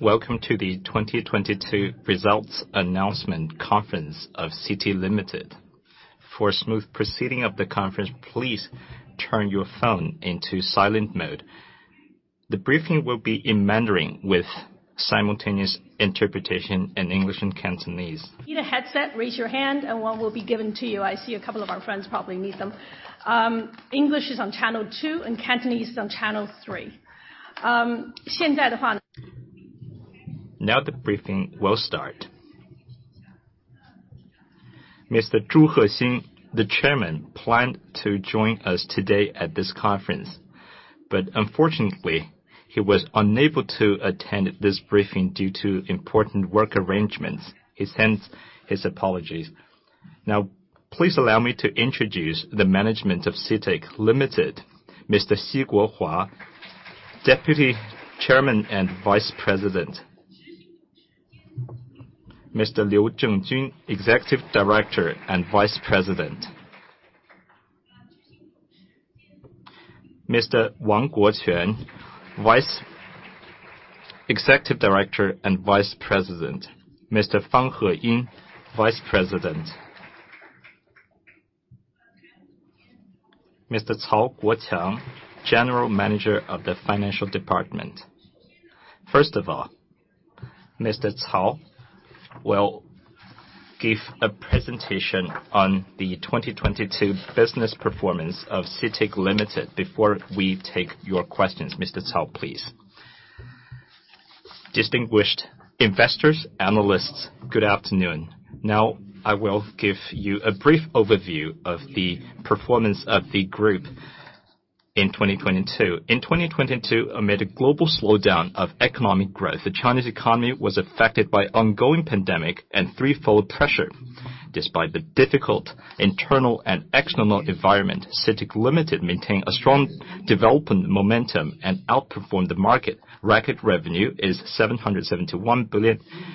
Welcome to the 2022 results announcement conference of CITIC Limited. For smooth proceeding of the conference, please turn your phone into silent mode. The briefing will be in Mandarin with simultaneous interpretation in English and Cantonese. Need a headset, raise your hand and one will be given to you. I see a couple of our friends probably need them. English is on channel two and Cantonese is on channel three. The briefing will start. Mr. Zhu Hexin, the chairman, planned to join us today at this conference. Unfortunately, he was unable to attend this briefing due to important work arrangements. He sends his apologies. Please allow me to introduce the management of CITIC Limited: Mr. Xi Guohua, Deputy Chairman and Vice President. Mr. Liu Zhengjun, Executive Director and Vice President. Mr. Wang Guoquan, Executive Director and Vice President. Mr. Fang Heying, Vice President. Mr. Cao Guoqiang, General Manager of the Financial Department. First of all, Mr. Cao will give a presentation on the 2022 business performance of CITIC Limited before we take your questions. Mr. Cao, please. Distinguished investors, analysts, good afternoon. I will give you a brief overview of the performance of the group in 2022. In 2022, amid a global slowdown of economic growth, the Chinese economy was affected by ongoing pandemic and threefold pressure. Despite the difficult internal and external environment, CITIC Limited maintained a strong development momentum and outperformed the market. Record revenue is 771 billion Hong Kong dollars,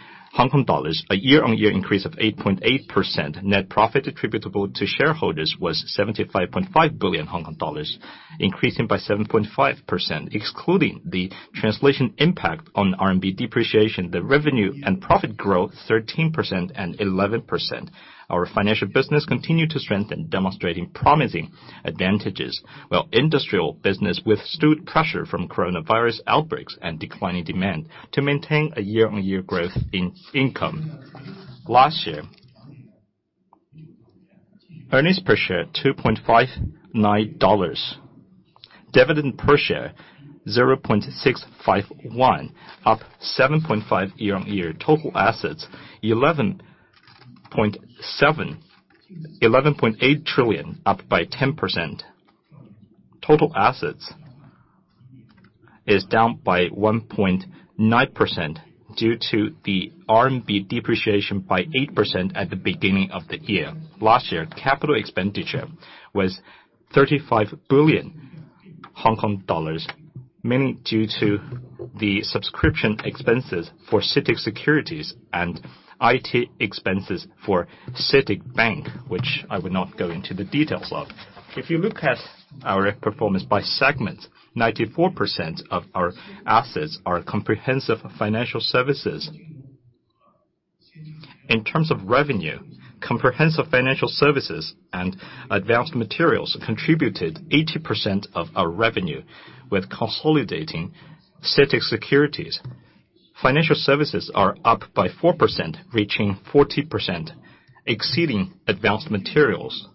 a year-on-year increase of 8.8%. Net profit attributable to shareholders was 75.5 billion Hong Kong dollars, increasing by 7.5%. Excluding the translation impact on RMB depreciation, the revenue and profit growth 13% and 11%. Our financial business continued to strengthen, demonstrating promising advantages, while industrial business withstood pressure from coronavirus outbreaks and declining demand to maintain a year-on-year growth in income. Last year, earnings per share, HKD 2.59. Dividend per share, 0.651, up 7.5% year-on-year. Total assets, 11.8 trillion, up by 10%. Total assets is down by 1.9% due to the RMB depreciation by 8% at the beginning of the year. Last year, capital expenditure was 35 billion Hong Kong dollars, mainly due to the subscription expenses for CITIC Securities and IT expenses for CITIC Bank, which I will not go into the details of. If you look at our performance by segment, 94% of our assets are comprehensive financial services. In terms of revenue, comprehensive financial services and advanced materials contributed 80% of our revenue. With consolidating CITIC Securities, financial services are up by 4%, reaching 40%, exceeding advanced materials.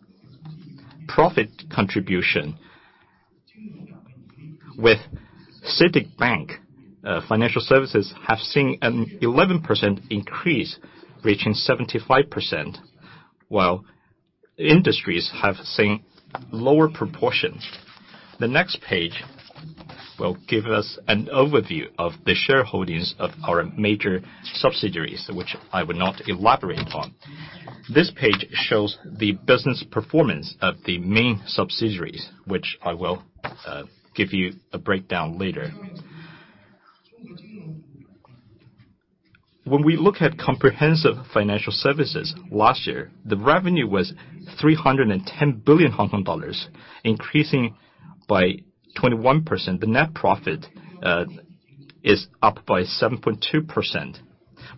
Profit contribution with CITIC Bank, financial services have seen an 11% increase, reaching 75%, while industries have seen lower proportions. The next page will give us an overview of the shareholdings of our major subsidiaries, which I will not elaborate on. This page shows the business performance of the main subsidiaries, which I will give you a breakdown later. When we look at comprehensive financial services, last year, the revenue was 310 billion Hong Kong dollars, increasing by 21%. The net profit is up by 7.2%.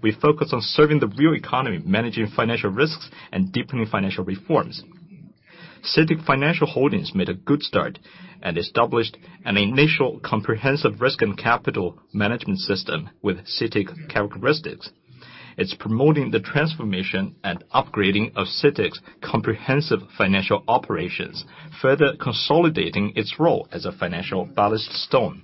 We focus on serving the real economy, managing financial risks, and deepening financial reforms. CITIC Financial Holdings made a good start and established an initial comprehensive risk and capital management system with CITIC characteristics. It's promoting the transformation and upgrading of CITIC's comprehensive financial operations, further consolidating its role as a financial ballast stone.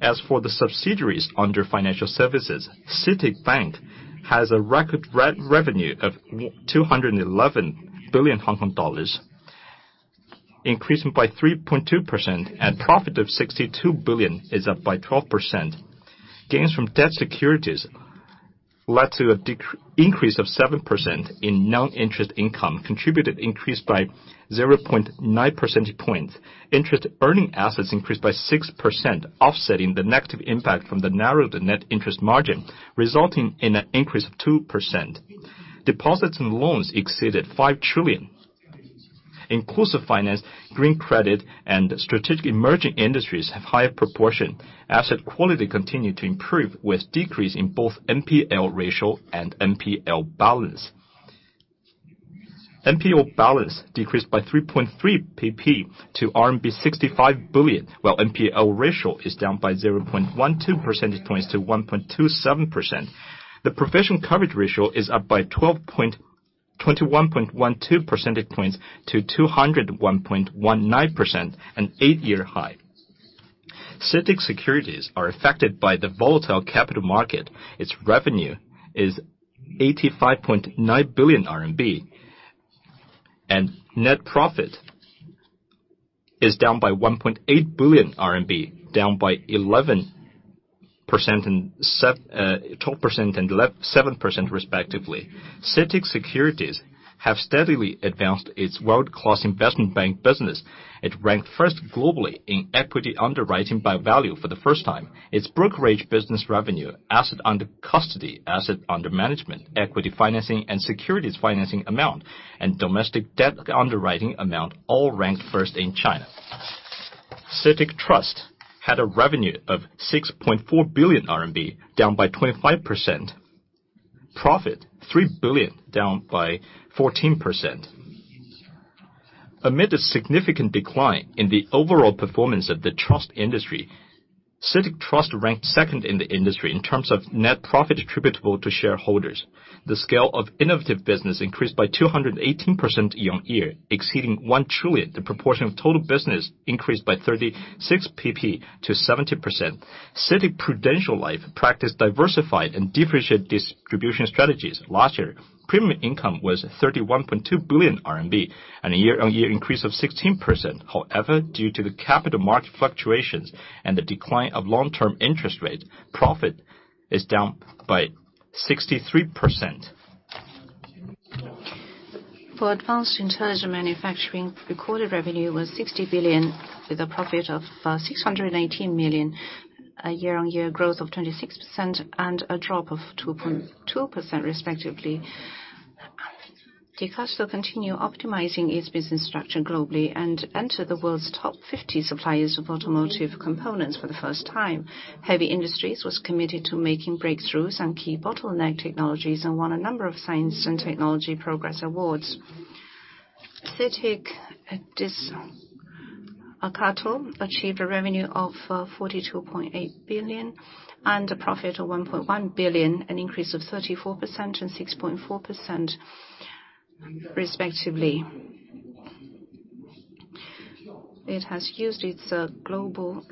As for the subsidiaries under financial services, CITIC Bank has a record revenue of 211 billion Hong Kong dollars, increasing by 3.2%, and profit of 62 billion is up by 12%. Gains from debt securities led to an increase of 7% in non-interest income, contributed increase by 0.9 percentage points. Interest earning assets increased by 6%, offsetting the negative impact from the narrowed net interest margin, resulting in an increase of 2%. Deposits and loans exceeded 5 trillion. Inclusive finance, green credit, and strategic emerging industries have higher proportion. Asset quality continued to improve with decrease in both NPL ratio and NPL balance. NPL balance decreased by 3.3 PP to RMB 65 billion, while NPL ratio is down by 0.12 percentage points to 1.27%. The professional coverage ratio is up by 21.12 percentage points to 201.19%, an 8-year high. CITIC Securities are affected by the volatile capital market. Its revenue is 85.9 billion RMB, net profit is down by 1.8 billion RMB, down by 11% and 7% respectively. CITIC Securities have steadily advanced its world-class investment bank business. It ranked first globally in equity underwriting by value for the first time. Its brokerage business revenue, asset under custody, asset under management, equity financing and securities financing amount, and domestic debt underwriting amount all ranked first in China. CITIC Trust had a revenue of 6.4 billion RMB, down by 25%. Profit 3 billion, down by 14%. Amid a significant decline in the overall performance of the trust industry, CITIC Trust ranked second in the industry in terms of net profit attributable to shareholders. The scale of innovative business increased by 218% year-on-year, exceeding 1 trillion. The proportion of total business increased by 36 percentage points to 70%. CITIC Prudential Life practiced diversified and differentiated distribution strategies. Last year, premium income was 31.2 billion RMB and a year-on-year increase of 16%. Due to the capital market fluctuations and the decline of long-term interest rates, profit is down by 63%. For advanced intelligent manufacturing, recorded revenue was 60 billion, with a profit of 618 million, a year-on-year growth of 26% and a drop of 2.2% respectively. Dicastal continue optimizing its business structure globally and enter the world's top 50 suppliers of automotive components for the first time. Heavy Industries was committed to making breakthroughs on key bottleneck technologies and won a number of science and technology progress awards. CITIC Dicastal achieved a revenue of 42.8 billion and a profit of 1.1 billion, an increase of 34% and 6.4% respectively. It has used its global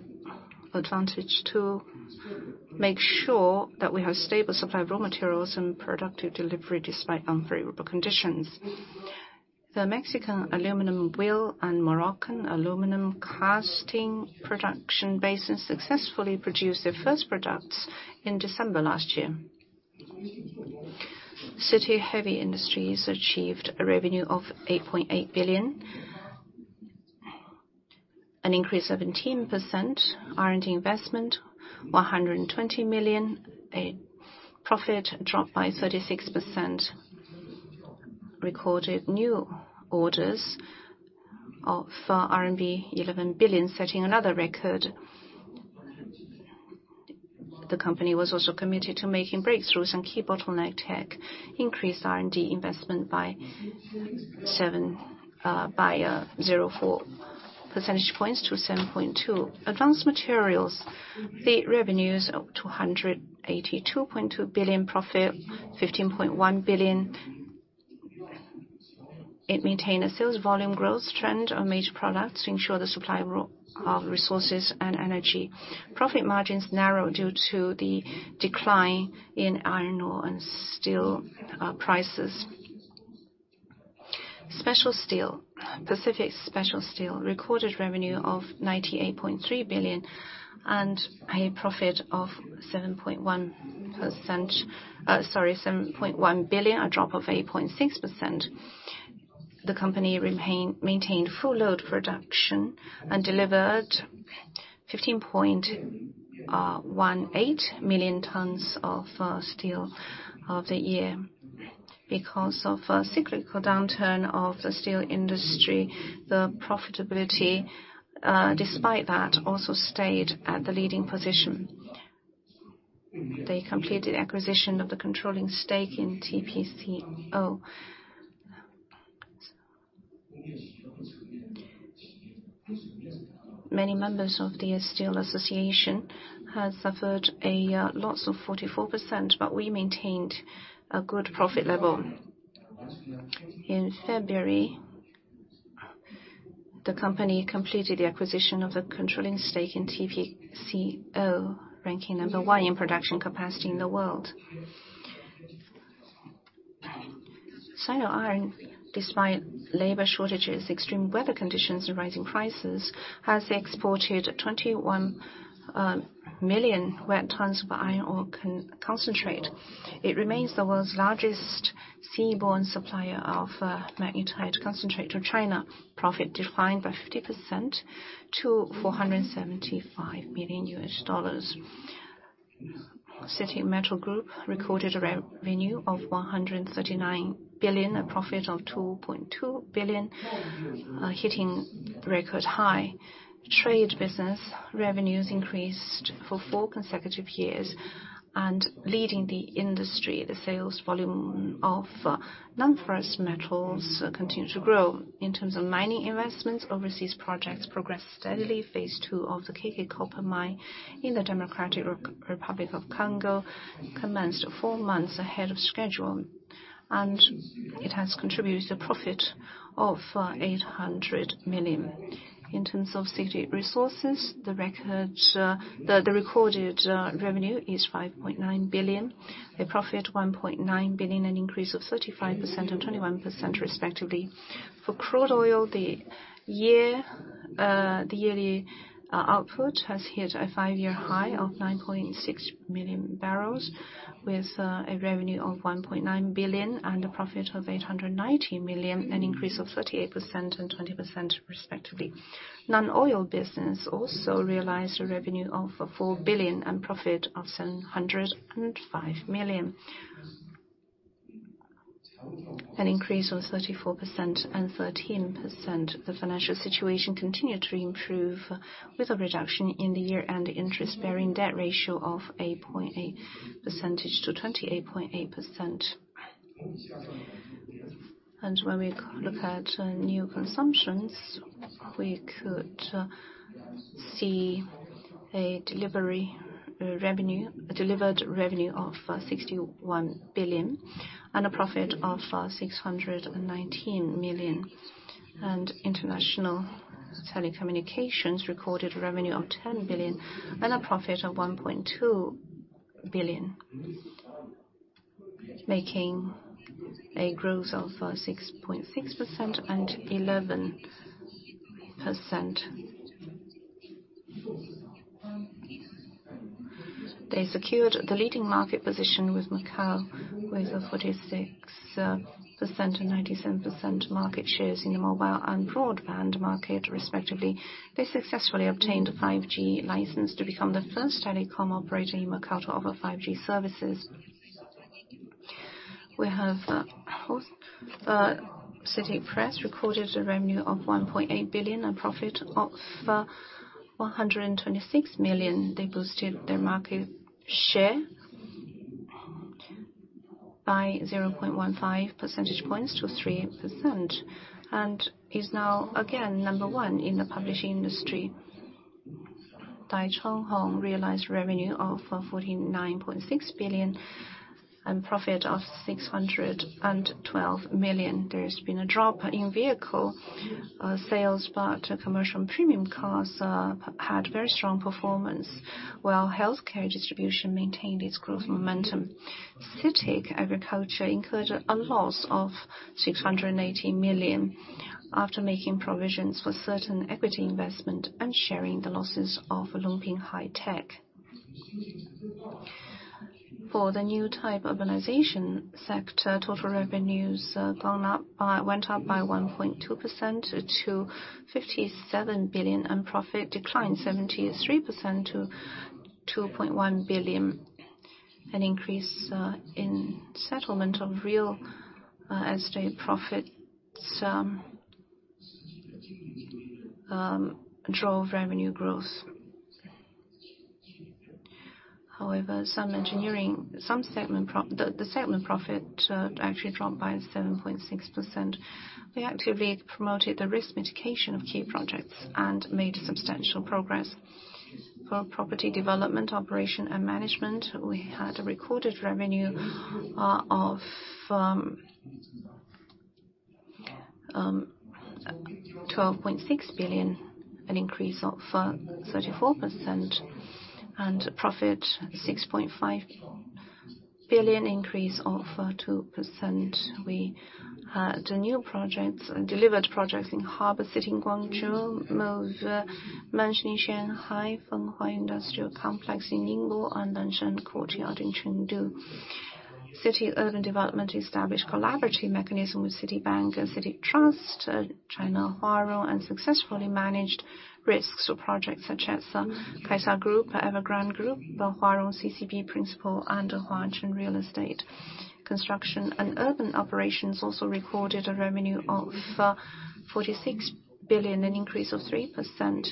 advantage to make sure that we have stable supply of raw materials and productive delivery despite unfavorable conditions. The Mexican aluminum wheel and Moroccan aluminum casting production bases successfully produced their first products in December last year. CITIC Heavy Industries achieved a revenue of 8.8 billion, an increase of 18%. R&D investment, 120 million. A profit dropped by 36%. Recorded new orders of RMB 11 billion, setting another record. The company was also committed to making breakthroughs on key bottleneck tech, increased R&D investment by 0.4 percentage points to 7.2%. Advanced materials. The revenues of 282.2 billion. Profit, 15.1 billion. It maintained a sales volume growth trend on major products to ensure the supply of resources and energy. Profit margins narrowed due to the decline in iron ore and steel prices. Special Steel. Pacific Special Steel recorded revenue of 98.3 billion and a profit of 7.1 billion, a drop of 8.6%. The company maintained full load production and delivered 15.18 million tons of steel of the year. Because of a cyclical downturn of the steel industry, the profitability, despite that, also stayed at the leading position. They completed acquisition of the controlling stake in TPCO. Many members of the steel association has suffered a loss of 44%. We maintained a good profit level. In February, the company completed the acquisition of the controlling stake in TPCO, ranking number one in production capacity in the world. Sino Iron, despite labor shortages, extreme weather conditions and rising prices, has exported 21 million wet tons of iron ore concentrate. It remains the world's largest seaborne supplier of magnetite concentrate to China. Profit declined by 50% to $475 million. CITIC Metal recorded a revenue of $139 billion, a profit of $2.2 billion, hitting record high. Trade business revenues increased for four consecutive years and leading the industry. The sales volume of non-ferrous metals continue to grow. In terms of mining investments, overseas projects progressed steadily. Phase two of the KK Copper Mine in the Democratic Republic of Congo commenced four months ahead of schedule, and it has contributed a profit of $800 million. In terms of CITIC Resources, the recorded revenue is $5.9 billion. The profit, $1.9 billion, an increase of 35% and 21% respectively. For crude oil, the yearly output has hit a five-year high of 9.6 million barrels, with a revenue of $1.9 billion and a profit of $890 million, an increase of 38% and 20% respectively. Non-oil business also realized a revenue of $4 billion and profit of $705 million. An increase of 34% and 13%. The financial situation continued to improve with a reduction in the year-end interest-bearing debt ratio of 8.8% to 28.8%. When we look at new consumptions, we could see a delivered revenue of $61 billion and a profit of $619 million. International telecommunications recorded revenue of $10 billion and a profit of $1.2 billion. Making a growth of 6.6% and 11%. They secured the leading market position with Macau with a 46% and 97% market shares in the mobile and broadband market respectively. They successfully obtained a 5G license to become the first telecom operator in Macau to offer 5G services. CITIC Press recorded a revenue of 1.8 billion and profit of 126 million. They boosted their market share by 0.15 percentage points to 3% and is now again number one in the publishing industry. Dah Chong Hong realized revenue of 49.6 billion and profit of 612 million. There's been a drop in vehicle sales, but commercial and premium cars had very strong performance, while healthcare distribution maintained its growth momentum. CITIC Agriculture incurred a loss of 680 million after making provisions for certain equity investment and sharing the losses of Longping High-Tech. For the new type urbanization sector, total revenues went up by 1.2% to 57 billion, profit declined 73% to 2.1 billion. An increase in settlement of real estate profits drove revenue growth. Some engineering, the segment profit actually dropped by 7.6%. We actively promoted the risk mitigation of key projects and made substantial progress. For property development, operation and management, we had a recorded revenue of 12.6 billion, an increase of 34%, profit 6.5 billion, increase of 2%. We had new projects, delivered projects in Harbour City in Guangzhou, Move Mansion in Shanghai, Fenghua Innovation Industrial Complex in Ningbo, and Danshan Courtyard in Chengdu. CITIC Urban Development established collaborative mechanism with Citibank and CITIC Trust, China Resources, and successfully managed risks of projects such as Kaisa Group, Evergrande Group, the China Resources CCP principle, and the Huanchuan Real Estate Construction. Urban operations also recorded a revenue of 46 billion, an increase of 3%.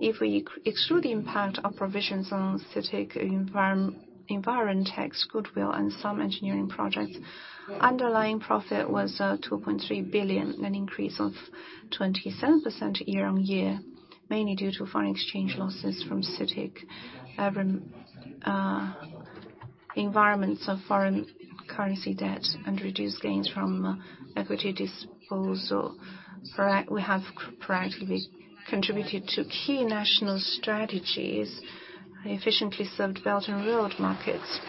If we exclude the impact of provisions on CITIC Envirotech goodwill and some engineering projects, underlying profit was 2.3 billion, an increase of 27% year on year, mainly due to foreign exchange losses from CITIC, environments of foreign currency debt and reduced gains from equity disposal. We have proactively contributed to key national strategies and efficiently served Belt and Road markets.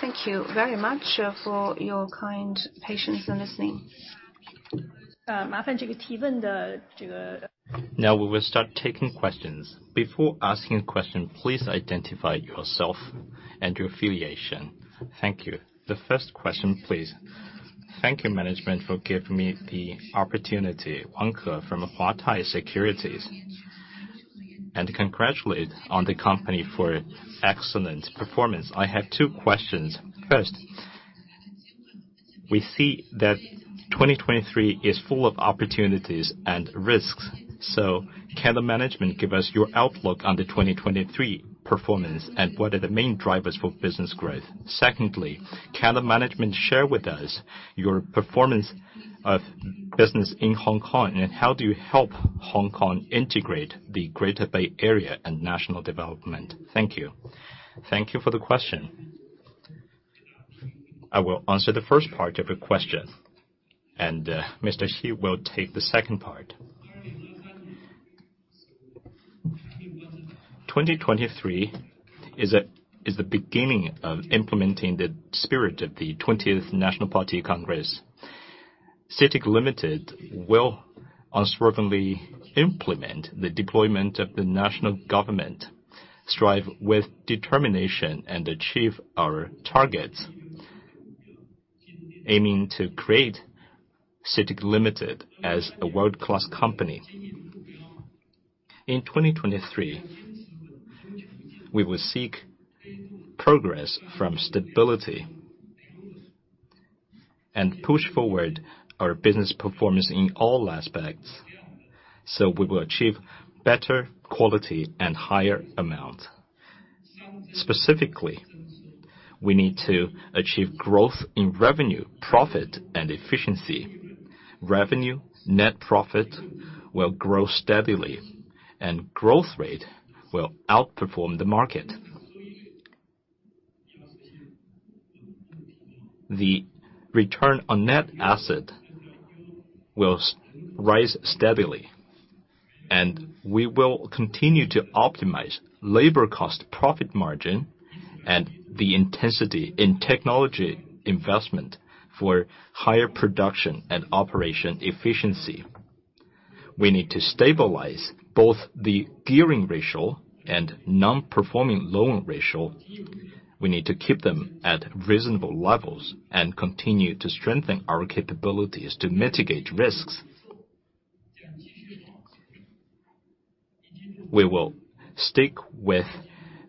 Thank you very much for your kind patience in listening. Now we will start taking questions. Before asking a question, please identify yourself and your affiliation. Thank you. The first question, please. Thank you management for giving me the opportunity. Wang Kai from Huatai Securities. Congratulate on the company for excellent performance. I have two questions. First, we see that 2023 is full of opportunities and risks. Can the management give us your outlook on the 2023 performance, and what are the main drivers for business growth? Secondly, can the management share with us your performance of business in Hong Kong, and how do you help Hong Kong integrate the Greater Bay Area and national development? Thank you. Thank you for the question. I will answer the first part of the question, and Mr. Xu will take the second part. 2023 is the beginning of implementing the spirit of the 20th National Party Congress. CITIC Limited will unswervingly implement the deployment of the national government, strive with determination, and achieve our targets, aiming to create CITIC Limited as a world-class company. In 2023, we will seek progress from stability and push forward our business performance in all aspects, so we will achieve better quality and higher amount. Specifically, we need to achieve growth in revenue, profit, and efficiency. Revenue, net profit will grow steadily and growth rate will outperform the market. The return on net asset will rise steadily, and we will continue to optimize labor cost, profit margin, and the intensity in technology investment for higher production and operation efficiency. We need to stabilize both the gearing ratio and non-performing loan ratio. We need to keep them at reasonable levels and continue to strengthen our capabilities to mitigate risks. We will stick with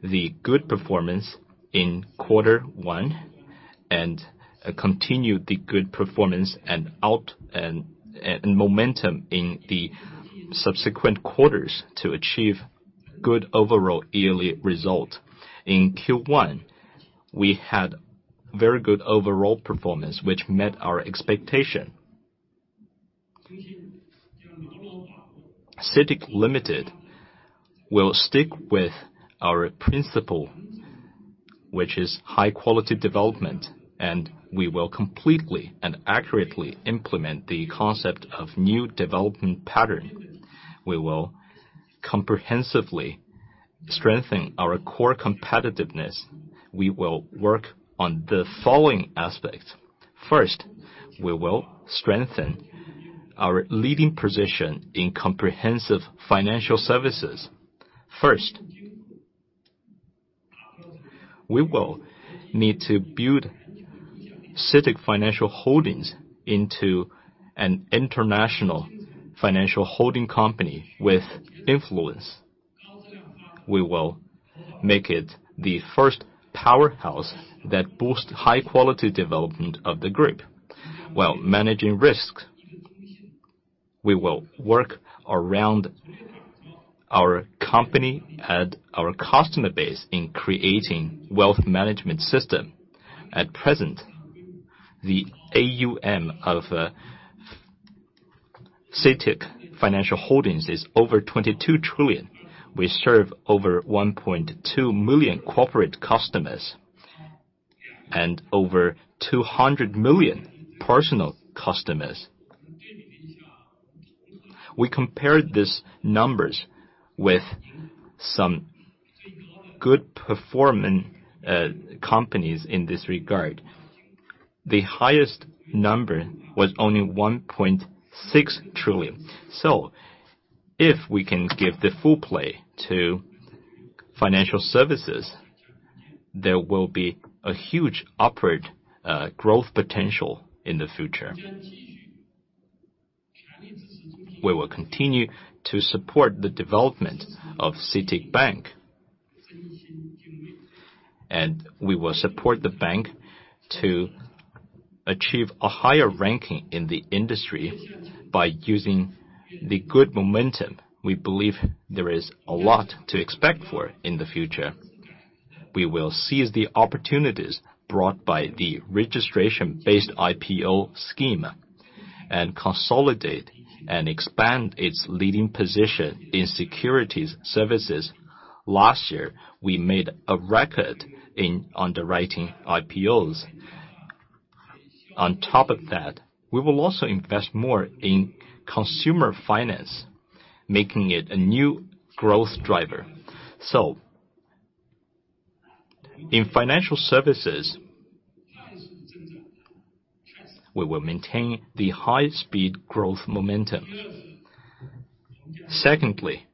the good performance in quarter one and continue the good performance and momentum in the subsequent quarters to achieve good overall yearly result. In Q1, we had very good overall performance, which met our expectation. CITIC Limited will stick with our principle, which is high-quality development, and we will completely and accurately implement the concept of new development pattern. We will comprehensively strengthen our core competitiveness. We will work on the following aspects. First, we will strengthen our leading position in comprehensive financial services. First, we will need to build CITIC Financial Holdings into an international financial holding company with influence. We will make it the first powerhouse that boosts high-quality development of the group while managing risks. We will work around our company and our customer base in creating wealth management system. At present, the AUM of CITIC Financial Holdings is over 22 trillion. We serve over 1.2 million corporate customers and over 200 million personal customers. We compared these numbers with some good performing companies in this regard. The highest number was only 1.6 trillion. If we can give the full play to financial services, there will be a huge upward growth potential in the future. We will continue to support the development of CITIC Bank. We will support the bank to achieve a higher ranking in the industry by using the good momentum. We believe there is a lot to expect for in the future. We will seize the opportunities brought by the registration-based IPO scheme and consolidate and expand its leading position in securities services. Last year, we made a record in underwriting IPOs. On top of that, we will also invest more in consumer finance, making it a new growth driver. In financial services, we will maintain the high-speed growth momentum. Secondly.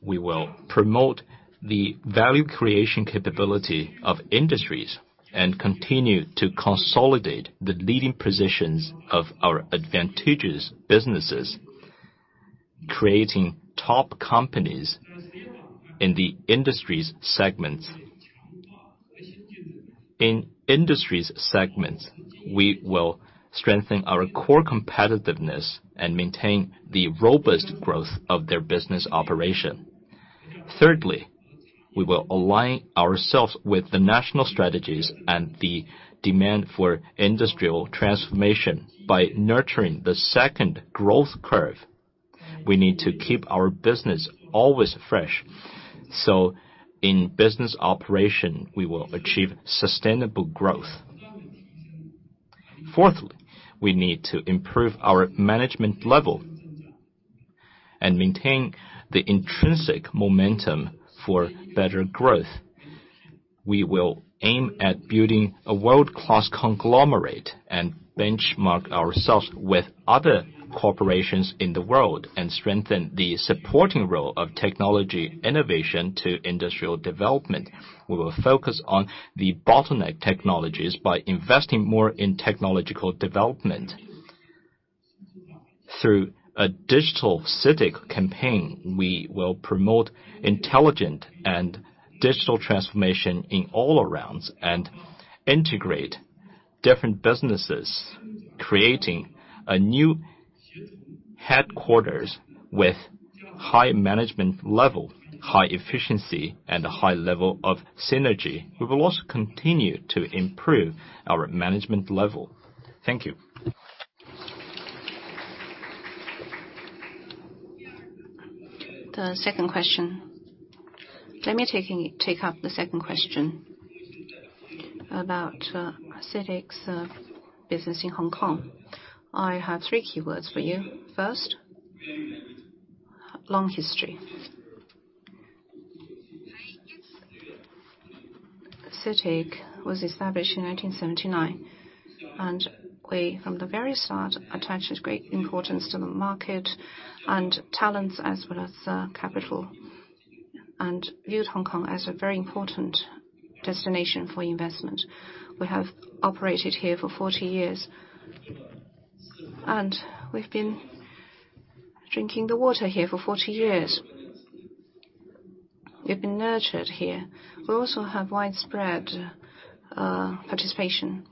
We will promote the value creation capability of industries and continue to consolidate the leading positions of our advantageous businesses, creating top companies in the industries segments. In industries segments, we will strengthen our core competitiveness and maintain the robust growth of their business operation. Thirdly, we will align ourselves with the national strategies and the demand for industrial transformation by nurturing the second growth curve. We need to keep our business always fresh. In business operation, we will achieve sustainable growth. Fourthly, we need to improve our management level and maintain the intrinsic momentum for better growth. We will aim at building a world-class conglomerate and benchmark ourselves with other corporations in the world and strengthen the supporting role of technology innovation to industrial development. We will focus on the bottleneck technologies by investing more in technological development. Through a digital CITIC campaign, we will promote intelligent and digital transformation in all arounds and integrate different businesses, creating a new headquarters with high management level, high efficiency, and a high level of synergy. We will also continue to improve our management level. Thank you. The second question. Let me take up the second question about CITIC's business in Hong Kong. I have three keywords for you. First, long history. CITIC was established in 1979. We, from the very start, attached great importance to the market and talents as well as capital, and viewed Hong Kong as a very important destination for investment. We have operated here for 40 years. We've been drinking the water here for 40 years. We've been nurtured here. We also have widespread participation.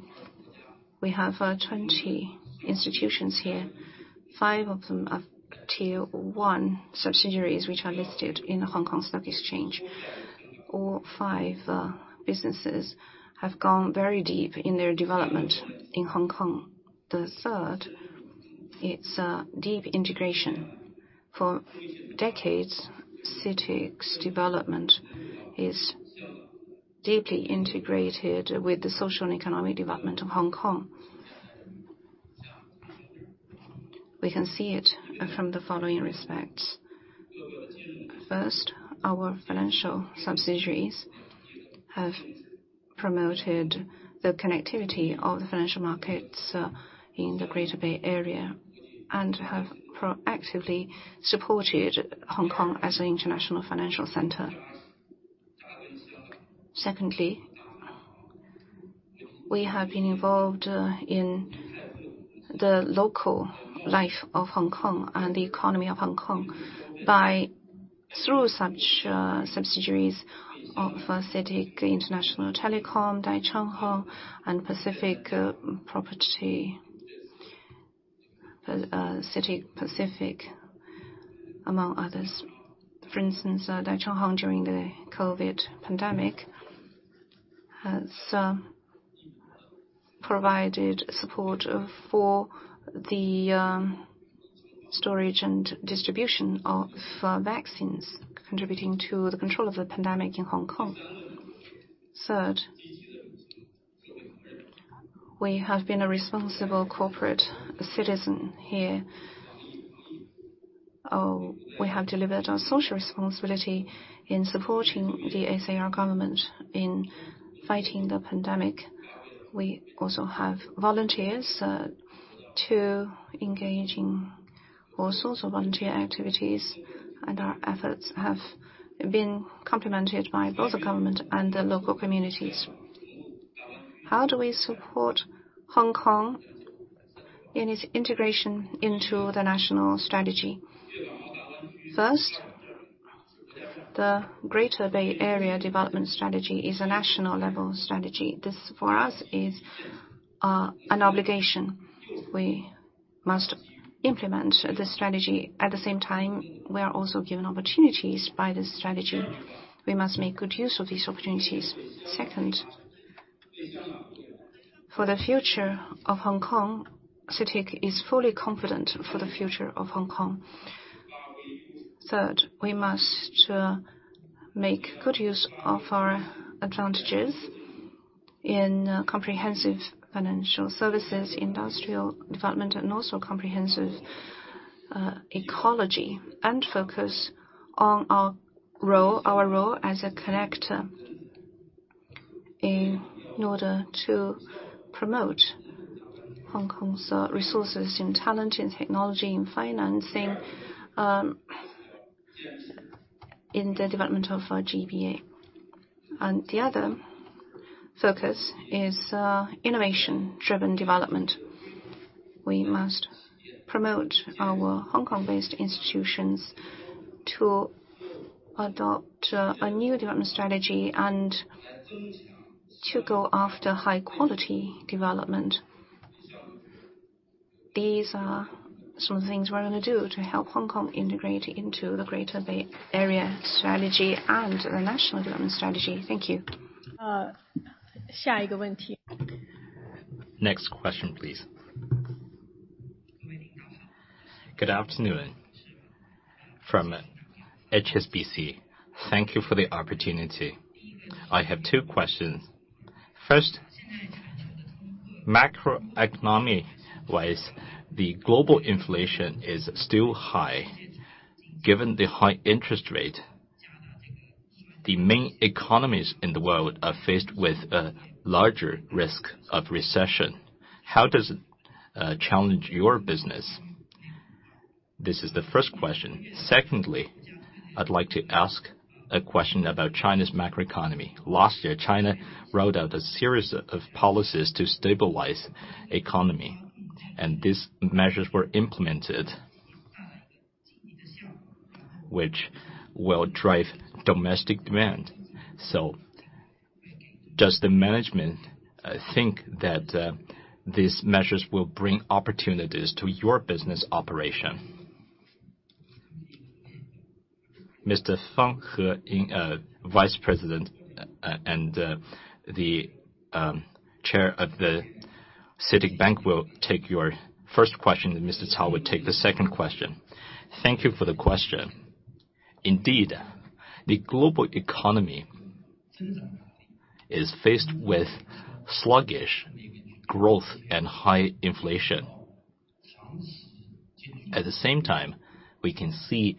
We have 20 institutions here. Five of them are tier-one subsidiaries, which are listed in the Hong Kong Stock Exchange. All five businesses have gone very deep in their development in Hong Kong. The third, it's deep integration. For decades, CITIC's development is deeply integrated with the social and economic development of Hong Kong. We can see it from the following respects. First, our financial subsidiaries have promoted the connectivity of the financial markets in the Greater Bay Area and have proactively supported Hong Kong as an international financial center. Secondly, we have been involved in the local life of Hong Kong and the economy of Hong Kong through such subsidiaries of CITIC Telecom International, Dah Chong Hong, and Pacific Property, CITIC Pacific, among others. For instance, Dah Chong Hong, during the COVID pandemic, has provided support for the storage and distribution of vaccines, contributing to the control of the pandemic in Hong Kong. Third, we have been a responsible corporate citizen here. We have delivered our social responsibility in supporting the SAR government in fighting the pandemic. We also have volunteers to engage in all sorts of volunteer activities, and our efforts have been complemented by both the government and the local communities. How do we support Hong Kong in its integration into the national strategy? First, the Greater Bay Area development strategy is a national level strategy. This, for us, is an obligation. We must implement the strategy. At the same time, we are also given opportunities by this strategy. We must make good use of these opportunities. Second, for the future of Hong Kong, CITIC is fully confident for the future of Hong Kong. Third, we must make good use of our advantages in comprehensive financial services, industrial development, and also comprehensive ecology and focus on our role as a connector. In order to promote Hong Kong's resources and talent in technology and financing, in the development of our GBA. The other focus is innovation-driven development. We must promote our Hong Kong-based institutions to adopt a new development strategy and to go after high-quality development. These are some things we're gonna do to help Hong Kong integrate into the Greater Bay Area strategy and the national development strategy. Thank you. Next question, please. Good afternoon. From HSBC. Thank you for the opportunity. I have two questions. First, macroeconomically wise, the global inflation is still high. Given the high interest rate, the main economies in the world are faced with a larger risk of recession. How does it challenge your business? This is the first question. Secondly, I'd like to ask a question about China's macroeconomy. Last year, China wrote out a series of policies to stabilize economy, and these measures were implemented, which will drive domestic demand. Does the management think that these measures will bring opportunities to your business operation? Mr. Fang Heying, Vice President and, the, Chair of CITIC Bank will take your first question, and Mr. Cao will take the second question. Thank you for the question. Indeed, the global economy is faced with sluggish growth and high inflation. At the same time, we can see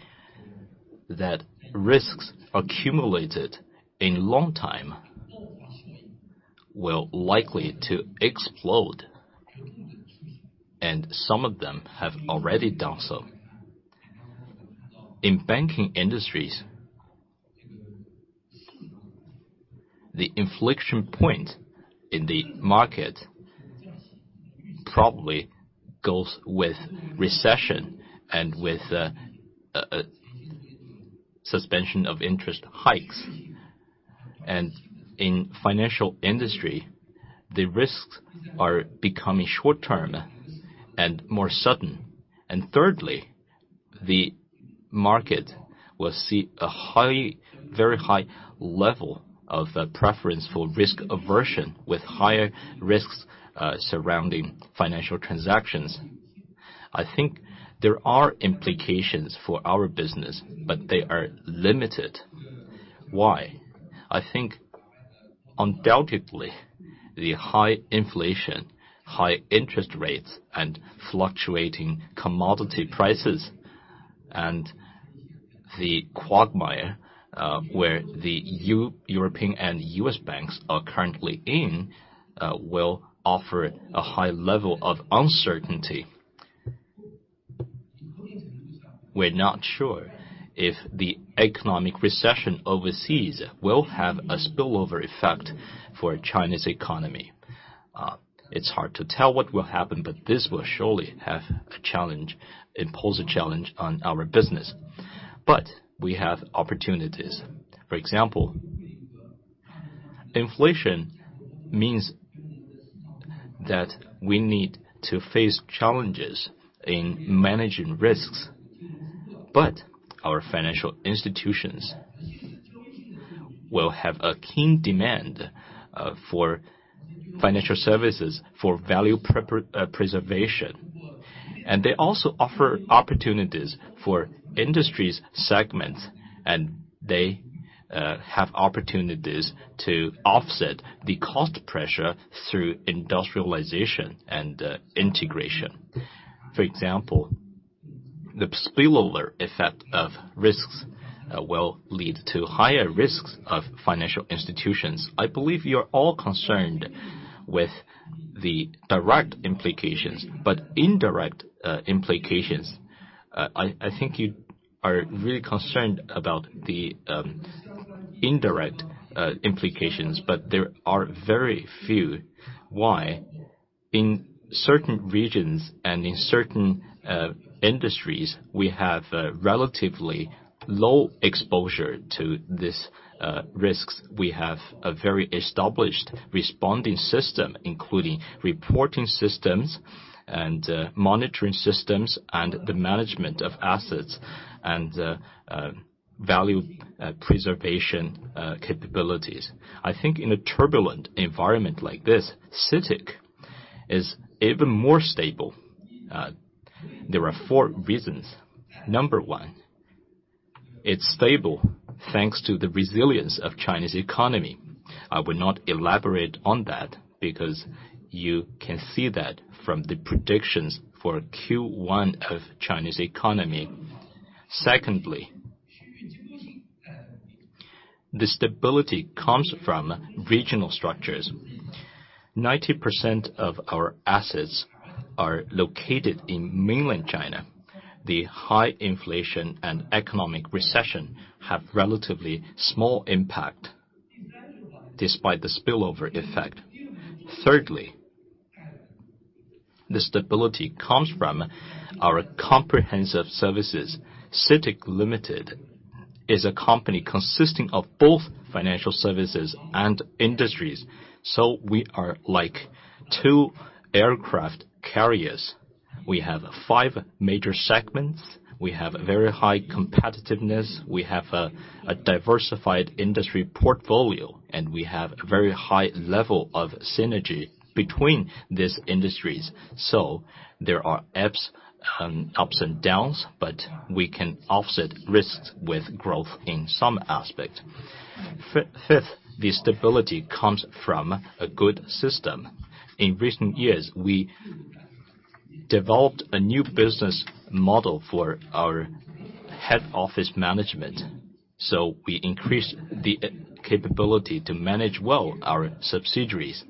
that risks accumulated in long time will likely to explode, and some of them have already done so. In banking industries, the inflection point in the market probably goes with recession and with a suspension of interest hikes. In financial industry, the risks are becoming short-term and more sudden. Thirdly, the market will see a very high level of preference for risk aversion with higher risks surrounding financial transactions. I think there are implications for our business, but they are limited. Why? I think undoubtedly, the high inflation, high interest rates, and fluctuating commodity prices, and the quagmire, where the European and U.S. banks are currently in, will offer a high level of uncertainty. We're not sure if the economic recession overseas will have a spillover effect for China's economy. It's hard to tell what will happen, but this will surely impose a challenge on our business. We have opportunities. For example, inflation means that we need to face challenges in managing risks, but our financial institutions will have a keen demand for financial services for value preservation. They also offer opportunities for industries segments, and they have opportunities to offset the cost pressure through industrialization and integration. For example, the spillover effect of risks will lead to higher risks of financial institutions. I believe you're all concerned with the direct implications, but indirect implications. I think you are really concerned about the indirect implications, but there are very few. Why? In certain regions and in certain industries, we have a relatively low exposure to this risks. We have a very established responding system, including reporting systems and monitoring systems and the management of assets and value preservation capabilities. I think in a turbulent environment like this, CITIC is even more stable. There are four reasons. Number 1, it's stable thanks to the resilience of Chinese economy. I will not elaborate on that because you can see that from the predictions for Q1 of Chinese economy. Secondly, the stability comes from regional structures. 90% of our assets are located in mainland China. The high inflation and economic recession have relatively small impact despite the spillover effect. Thirdly, the stability comes from our comprehensive services. CITIC Limited is a company consisting of both financial services and industries, so we are like 2 aircraft carriers. We have five major segments. We have very high competitiveness. We have a diversified industry portfolio, and we have very high level of synergy between these industries. There are ebbs, ups and downs, but we can offset risks with growth in some aspect. Fifth, the stability comes from a good system. In recent years, we developed a new business model for our head office management, so we increased the capability to manage well our subsidiaries.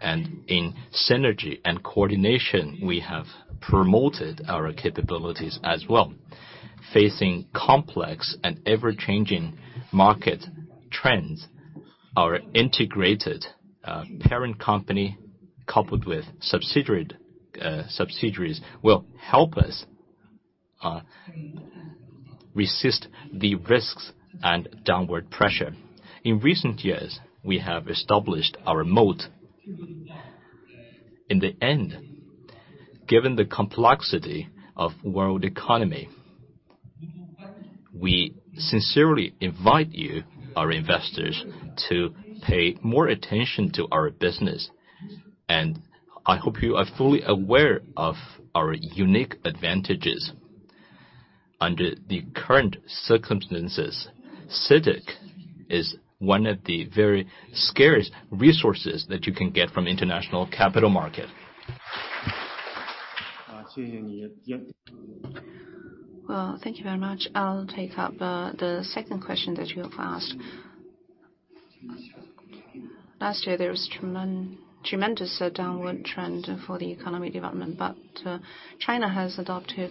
In synergy and coordination, we have promoted our capabilities as well. Facing complex and ever-changing market trends, our integrated parent company, coupled with subsidiaries, will help us resist the risks and downward pressure. In recent years, we have established our moat. In the end, given the complexity of world economy, we sincerely invite you, our investors, to pay more attention to our business, and I hope you are fully aware of our unique advantages. Under the current circumstances, CITIC is one of the very scarce resources that you can get from international capital market. Well, thank you very much. I'll take up the second question that you have asked. Last year, there was tremendous downward trend for the economy development, but China has adopted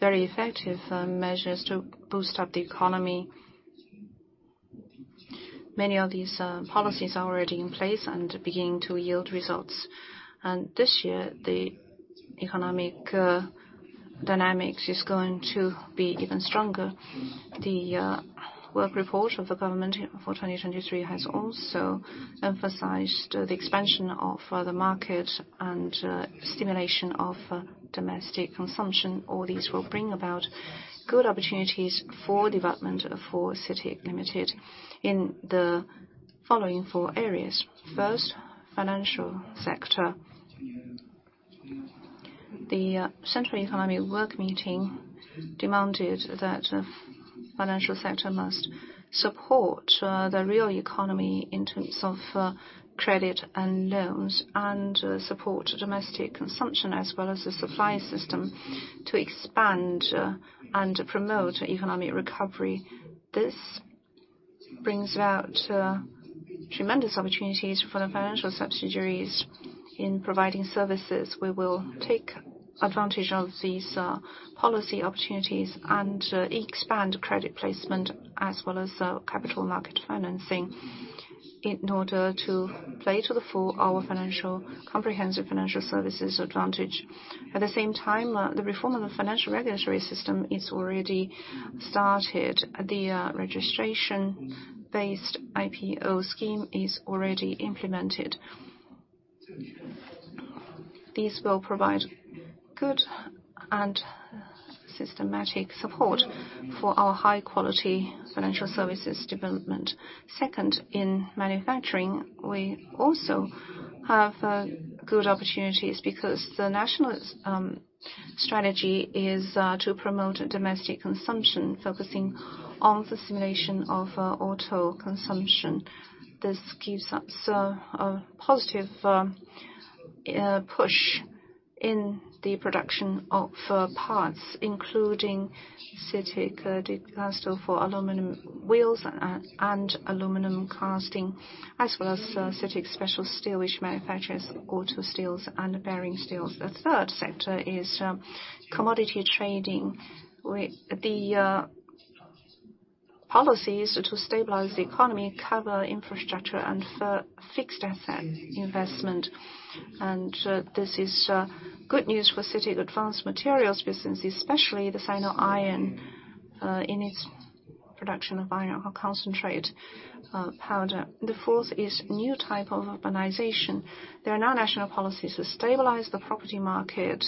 very effective measures to boost up the economy. Many of these policies are already in place and beginning to yield results. This year, the economic dynamics is going to be even stronger. The work report of the government for 2023 has also emphasized the expansion of the market and stimulation of domestic consumption. All these will bring about good opportunities for development for CITIC Limited in the following four areas. First, financial sector. The Central Economy Work Meeting demanded that financial sector must support the real economy in terms of credit and loans, and support domestic consumption as well as the supply system to expand and promote economic recovery. This brings about tremendous opportunities for the financial subsidiaries in providing services. We will take advantage of these policy opportunities and expand credit placement as well as capital market financing in order to play to the full our financial, comprehensive financial services advantage. At the same time, the reform of the financial regulatory system is already started. The Registration-based IPO scheme is already implemented. This will provide good and systematic support for our high-quality financial services development. Second, in manufacturing, we also have good opportunities because the national strategy is to promote domestic consumption, focusing on the stimulation of auto consumption. This gives us a positive push in the production of parts, including CITIC Dicastal for aluminum wheels and aluminum casting, as well as CITIC Special Steel, which manufactures auto steels and bearing steels. The third sector is commodity trading. The policies to stabilize the economy cover infrastructure and fixed asset investment. This is good news for CITIC Advanced Materials business, especially the ferrovion in its production of iron concentrate powder. The fourth is new type of urbanization. There are now national policies to stabilize the property market.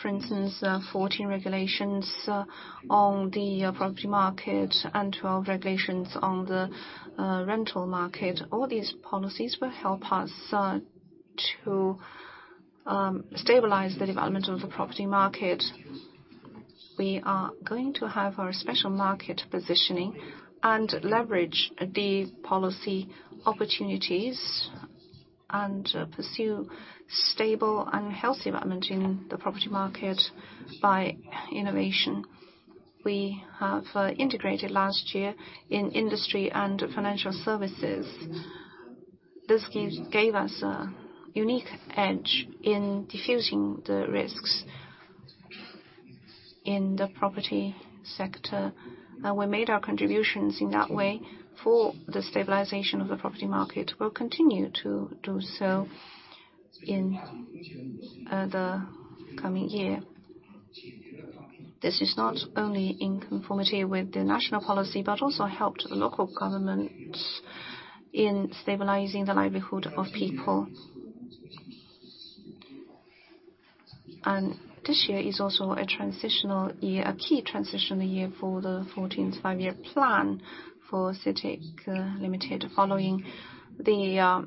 For instance, 14 regulations on the property market and 12 regulations on the rental market. All these policies will help us to stabilize the development of the property market. We are going to have our special market positioning and leverage the policy opportunities. Pursue stable and healthy development in the property market by innovation. We have integrated last year in industry and financial services. This gave us a unique edge in diffusing the risks in the property sector. We made our contributions in that way for the stabilization of the property market. We'll continue to do so in the coming year. This is not only in conformity with the national policy, but also helped the local government in stabilizing the livelihood of people. This year is also a transitional year, a key transition year for the 14th Five-Year Plan for CITIC Limited. Following the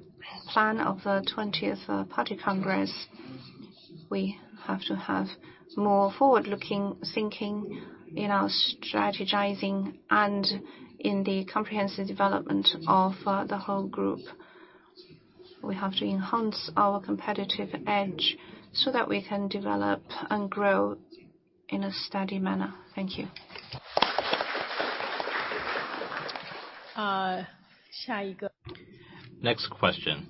plan of the 20th Party Congress, we have to have more forward-looking thinking in our strategizing and in the comprehensive development of the whole group. We have to enhance our competitive edge so that we can develop and grow in a steady manner. Thank you. Next question.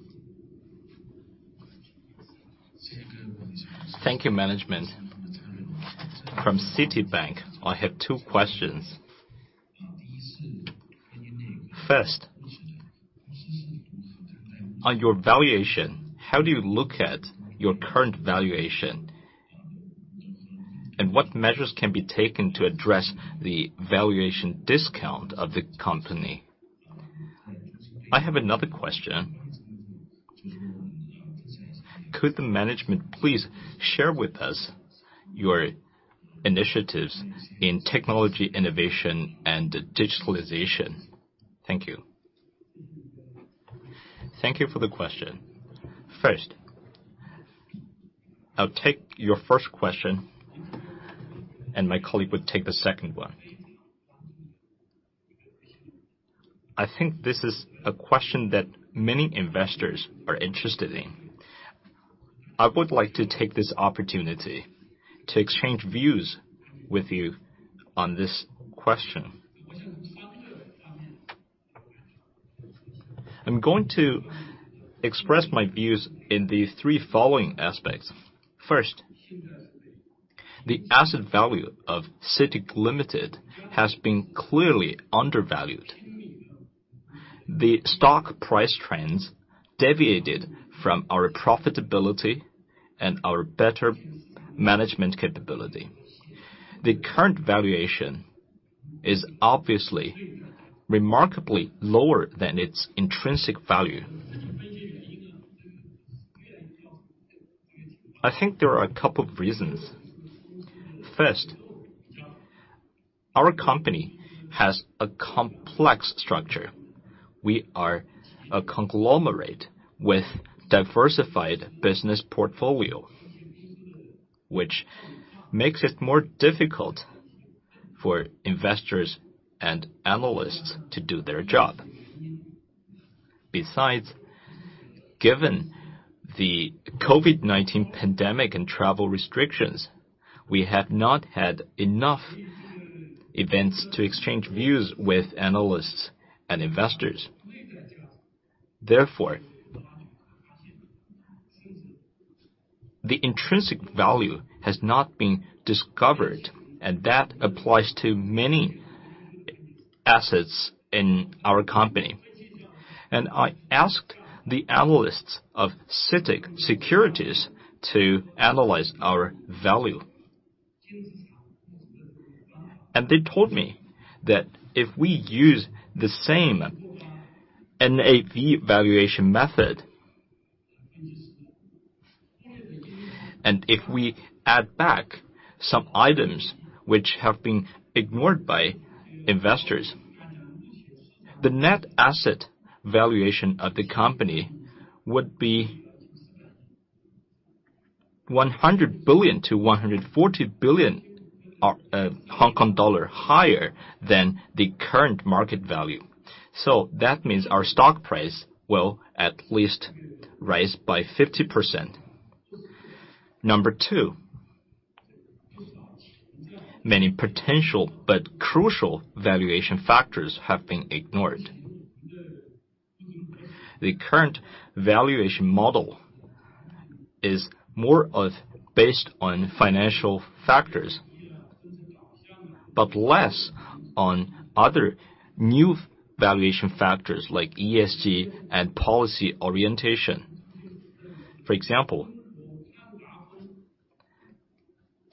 Thank you, management. From Citibank, I have two questions. First, on your valuation, how do you look at your current valuation? What measures can be taken to address the valuation discount of the company? I have another question. Could the management please share with us your initiatives in technology, innovation and digitalization? Thank you. Thank you for the question. First, I'll take your first question and my colleague would take the second one. I think this is a question that many investors are interested in. I would like to take this opportunity to exchange views with you on this question. I'm going to express my views in the three following aspects. First, the asset value of CITIC Limited has been clearly undervalued. The stock price trends deviated from our profitability and our better management capability. The current valuation is obviously remarkably lower than its intrinsic value. I think there are a couple of reasons. First, our company has a complex structure. We are a conglomerate with diversified business portfolio, which makes it more difficult for investors and analysts to do their job. Besides, given the COVID-19 pandemic and travel restrictions, we have not had enough events to exchange views with analysts and investors. Therefore, the intrinsic value has not been discovered, and that applies to many assets in our company. I asked the analysts of CITIC Securities to analyze our value. They told me that if we use the same NAV valuation method, and if we add back some items which have been ignored by investors, the net asset valuation of the company would be HKD 100 billion-HKD 140 billion higher than the current market value. That means our stock price will at least rise by 50%. Number 2, many potential but crucial valuation factors have been ignored. The current valuation model is more of based on financial factors, but less on other new valuation factors like ESG and policy orientation. For example,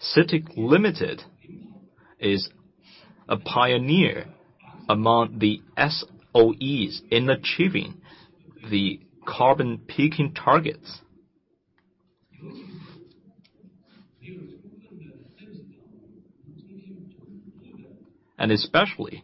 CITIC Limited is a pioneer among the SOEs in achieving the carbon peaking targets. Especially,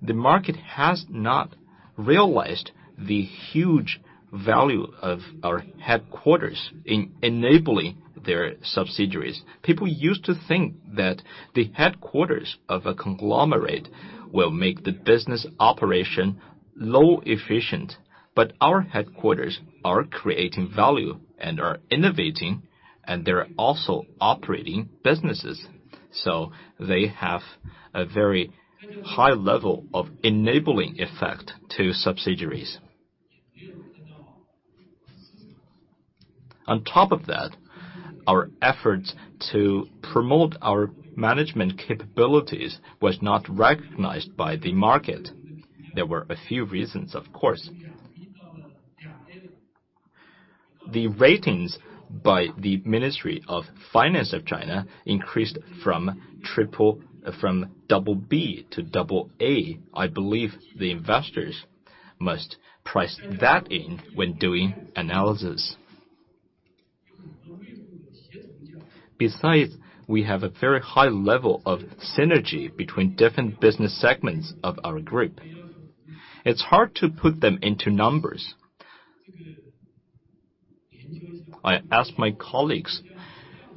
the market has not realized the huge value of our headquarters in enabling their subsidiaries. People used to think that the headquarters of a conglomerate will make the business operation low efficient. Our headquarters are creating value and are innovating, and they're also operating businesses. They have a very high level of enabling effect to subsidiaries. On top of that, our efforts to promote our management capabilities was not recognized by the market. There were a few reasons, of course. The ratings by the Ministry of Finance of China increased from double B to double A. I believe the investors must price that in when doing analysis. Besides, we have a very high level of synergy between different business segments of our group. It's hard to put them into numbers. I asked my colleagues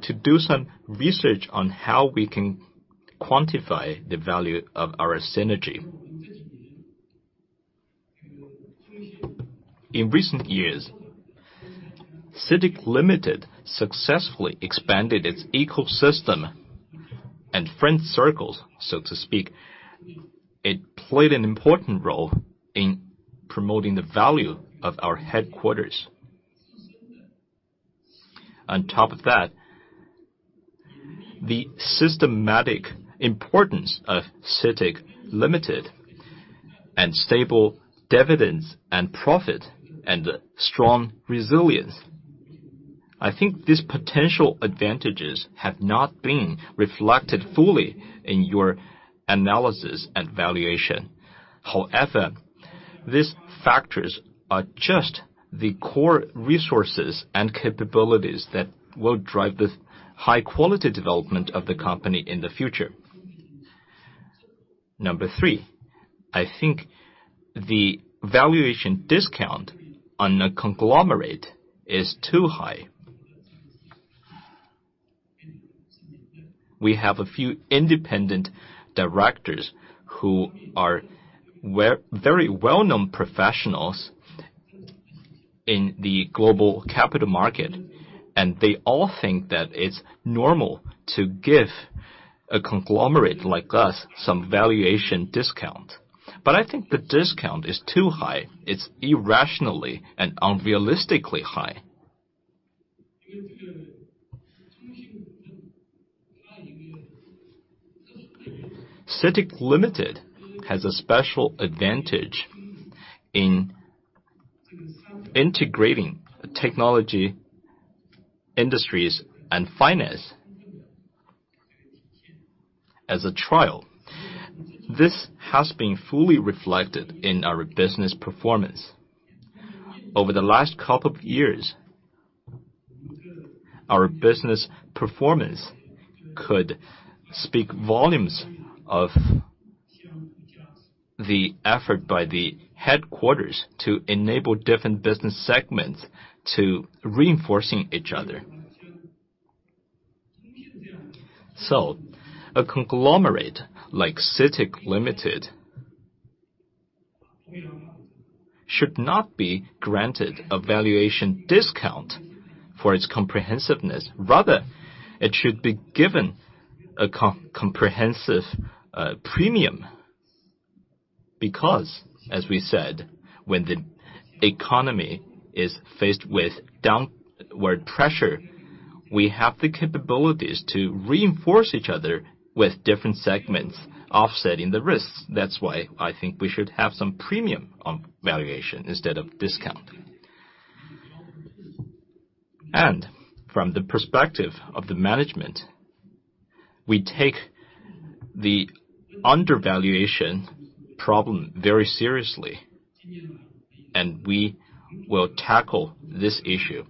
to do some research on how we can quantify the value of our synergy. In recent years, CITIC Limited successfully expanded its ecosystem and friend circles, so to speak. It played an important role in promoting the value of our headquarters. On top of that, the systematic importance of CITIC Limited and stable dividends and profit and strong resilience, I think these potential advantages have not been reflected fully in your analysis and valuation. These factors are just the core resources and capabilities that will drive the high-quality development of the company in the future. Number three, I think the valuation discount on a conglomerate is too high. We have a few independent directors who are very well-known professionals in the global capital market, and they all think that it's normal to give a conglomerate like us some valuation discount. I think the discount is too high. It's irrationally and unrealistically high. CITIC Limited has a special advantage in integrating technology industries and finance as a trial. This has been fully reflected in our business performance. Over the last couple of years, our business performance could speak volumes of the effort by the headquarters to enable different business segments to reinforcing each other. A conglomerate like CITIC Limited should not be granted a valuation discount for its comprehensiveness. Rather, it should be given a comprehensive premium because, as we said, when the economy is faced with downward pressure, we have the capabilities to reinforce each other with different segments offsetting the risks. That's why I think we should have some premium on valuation instead of discount. From the perspective of the management, we take the undervaluation problem very seriously, and we will tackle this issue.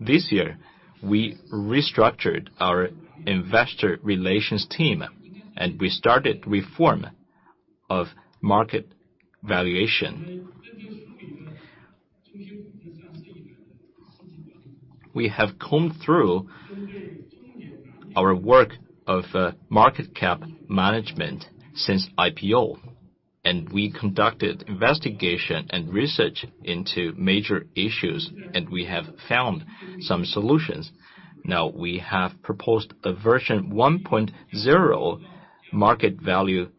This year, we restructured our investor relations team, and we started reform of market valuation. We have combed through our work of market cap management since IPO, and we conducted investigation and research into major issues, and we have found some solutions. We have proposed a version 1.0 market value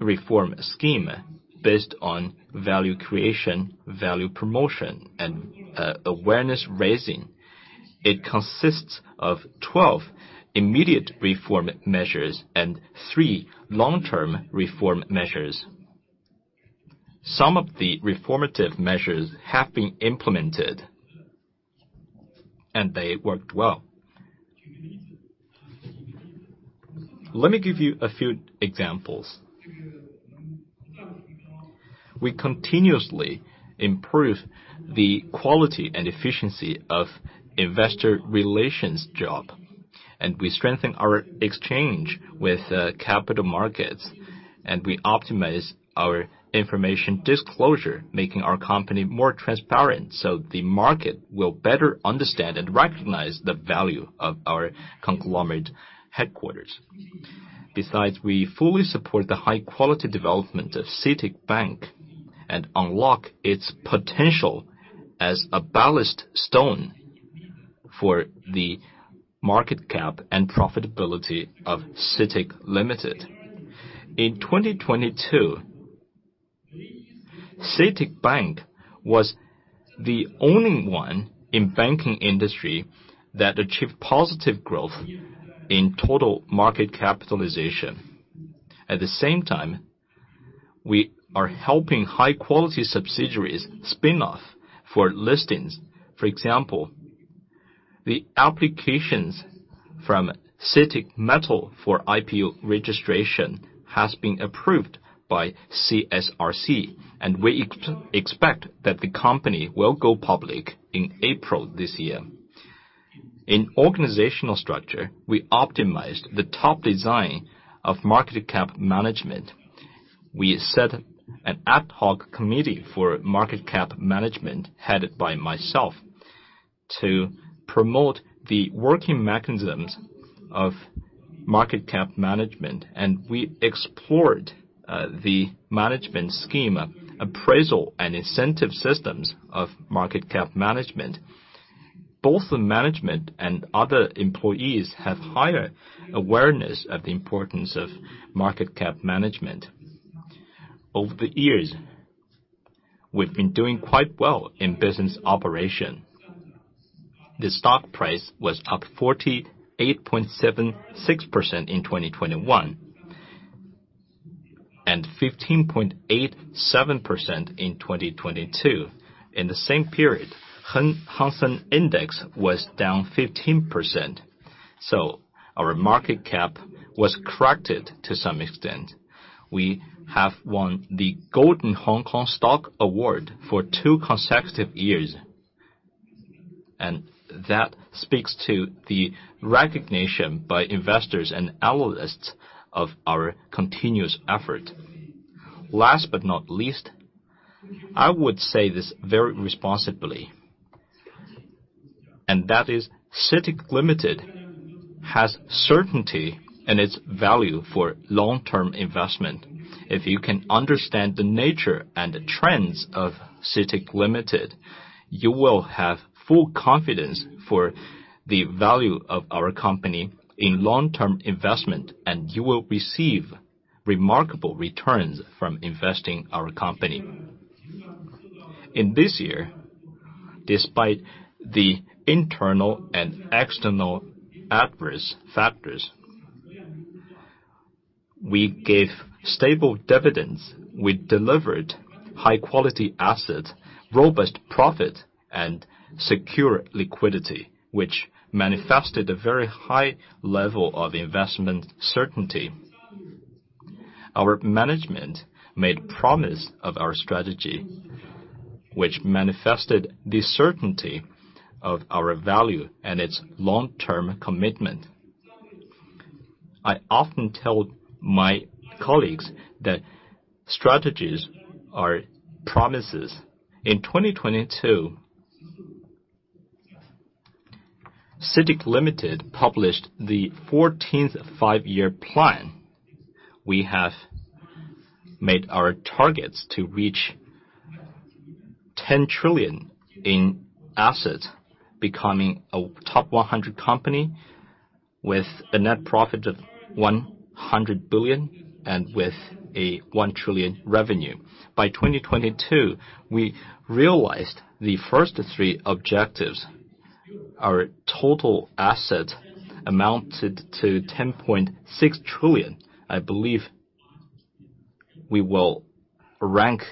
reform scheme based on value creation, value promotion, and awareness raising. It consists of 12 immediate reform measures and three long-term reform measures. Some of the reformative measures have been implemented, and they worked well. Let me give you a few examples. We continuously improve the quality and efficiency of investor relations job, and we strengthen our exchange with capital markets, and we optimize our information disclosure, making our company more transparent, so the market will better understand and recognize the value of our conglomerate headquarters. Besides, we fully support the high-quality development of CITIC Bank and unlock its potential as a ballast stone for the market cap and profitability of CITIC Limited. In 2022, CITIC Bank was the only one in banking industry that achieved positive growth in total market capitalization. At the same time, we are helping high-quality subsidiaries spin-off for listings. For example, the applications from CITIC Metal for IPO registration has been approved by CSRC, and we expect that the company will go public in April this year. In organizational structure, we optimized the top design of market cap management. We set an ad hoc committee for market cap management headed by myself to promote the working mechanisms of market cap management. We explored the management scheme, appraisal and incentive systems of market cap management. Both the management and other employees have higher awareness of the importance of market cap management. Over the years, we've been doing quite well in business operation. The stock price was up 48.76% in 2021 and 15.87% in 2022. In the same period, Hang Seng Index was down 15%. Our market cap was corrected to some extent. We have won the Golden Hong Kong Stock Award for 2 consecutive years. That speaks to the recognition by investors and analysts of our continuous effort. Last but not least, I would say this very responsibly, that is CITIC Limited has certainty in its value for long-term investment. If you can understand the nature and the trends of CITIC Limited, you will have full confidence for the value of our company in long-term investment, you will receive remarkable returns from investing our company. In this year, despite the internal and external adverse factors, we gave stable dividends. We delivered high-quality assets, robust profit, and secure liquidity, which manifested a very high level of investment certainty. Our management made promise of our strategy, which manifested the certainty of our value and its long-term commitment. I often tell my colleagues that strategies are promises. In 2022, CITIC Limited published the 14th Five-Year Plan. We have made our targets to reach 10 trillion in assets, becoming a top 100 company with a net profit of 100 billion and with a 1 trillion revenue. By 2022, we realized the first three objectives. Our total assets amounted to 10.6 trillion. I believe we will rank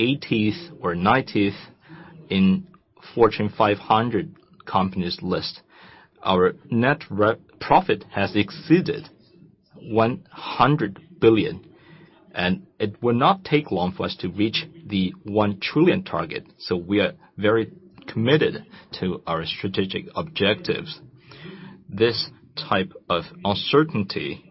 80th or 90th in Fortune 500 companies list. Our net profit has exceeded 100 billion, and it will not take long for us to reach the 1 trillion target. We are very committed to our strategic objectives. This type of uncertainty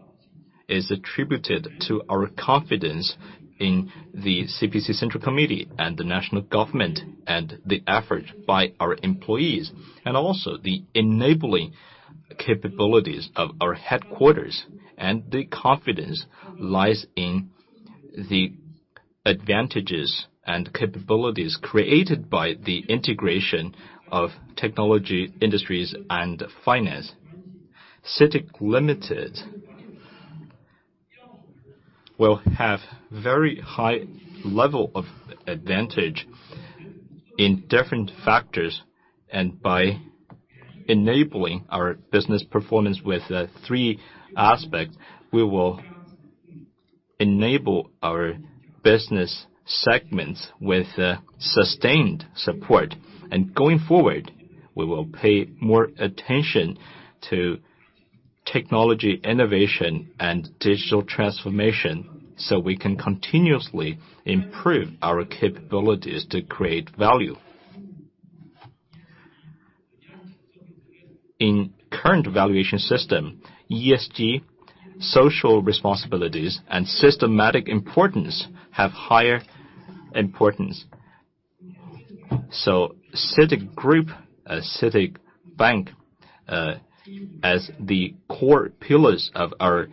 is attributed to our confidence in the CPC Central Committee and the national government and the effort by our employees, and also the enabling capabilities of our headquarters. The confidence lies in the advantages and capabilities created by the integration of technology industries and finance. CITIC Limited will have very high level of advantage in different factors. By enabling our business performance with the three aspects, we will enable our business segments with sustained support. Going forward, we will pay more attention to technology innovation and digital transformation, so we can continuously improve our capabilities to create value. In current valuation system, ESG, social responsibilities, and systematic importance have higher importance. CITIC Group, CITIC Bank, as the core pillars of our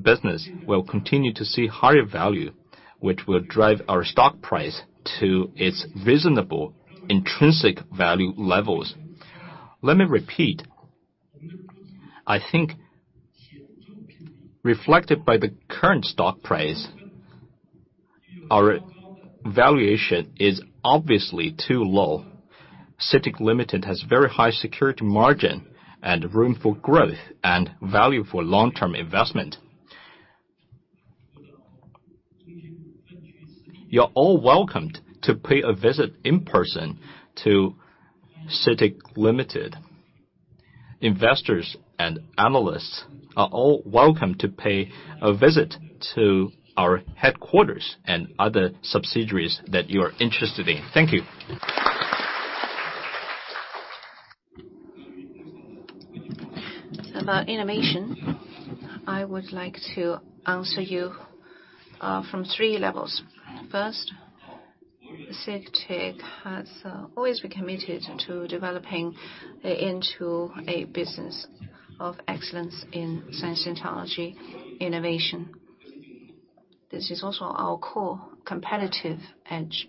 business will continue to see higher value, which will drive our stock price to its reasonable intrinsic value levels. Let me repeat. I think reflected by the current stock price, our valuation is obviously too low. CITIC Limited has very high security margin and room for growth and value for long-term investment. You're all welcomed to pay a visit in person to CITIC Limited. Investors and analysts are all welcome to pay a visit to our headquarters and other subsidiaries that you are interested in. Thank you. About innovation, I would like to answer you from three levels. First, CITIC has always been committed to developing into a business of excellence in science and technology innovation. This is also our core competitive edge.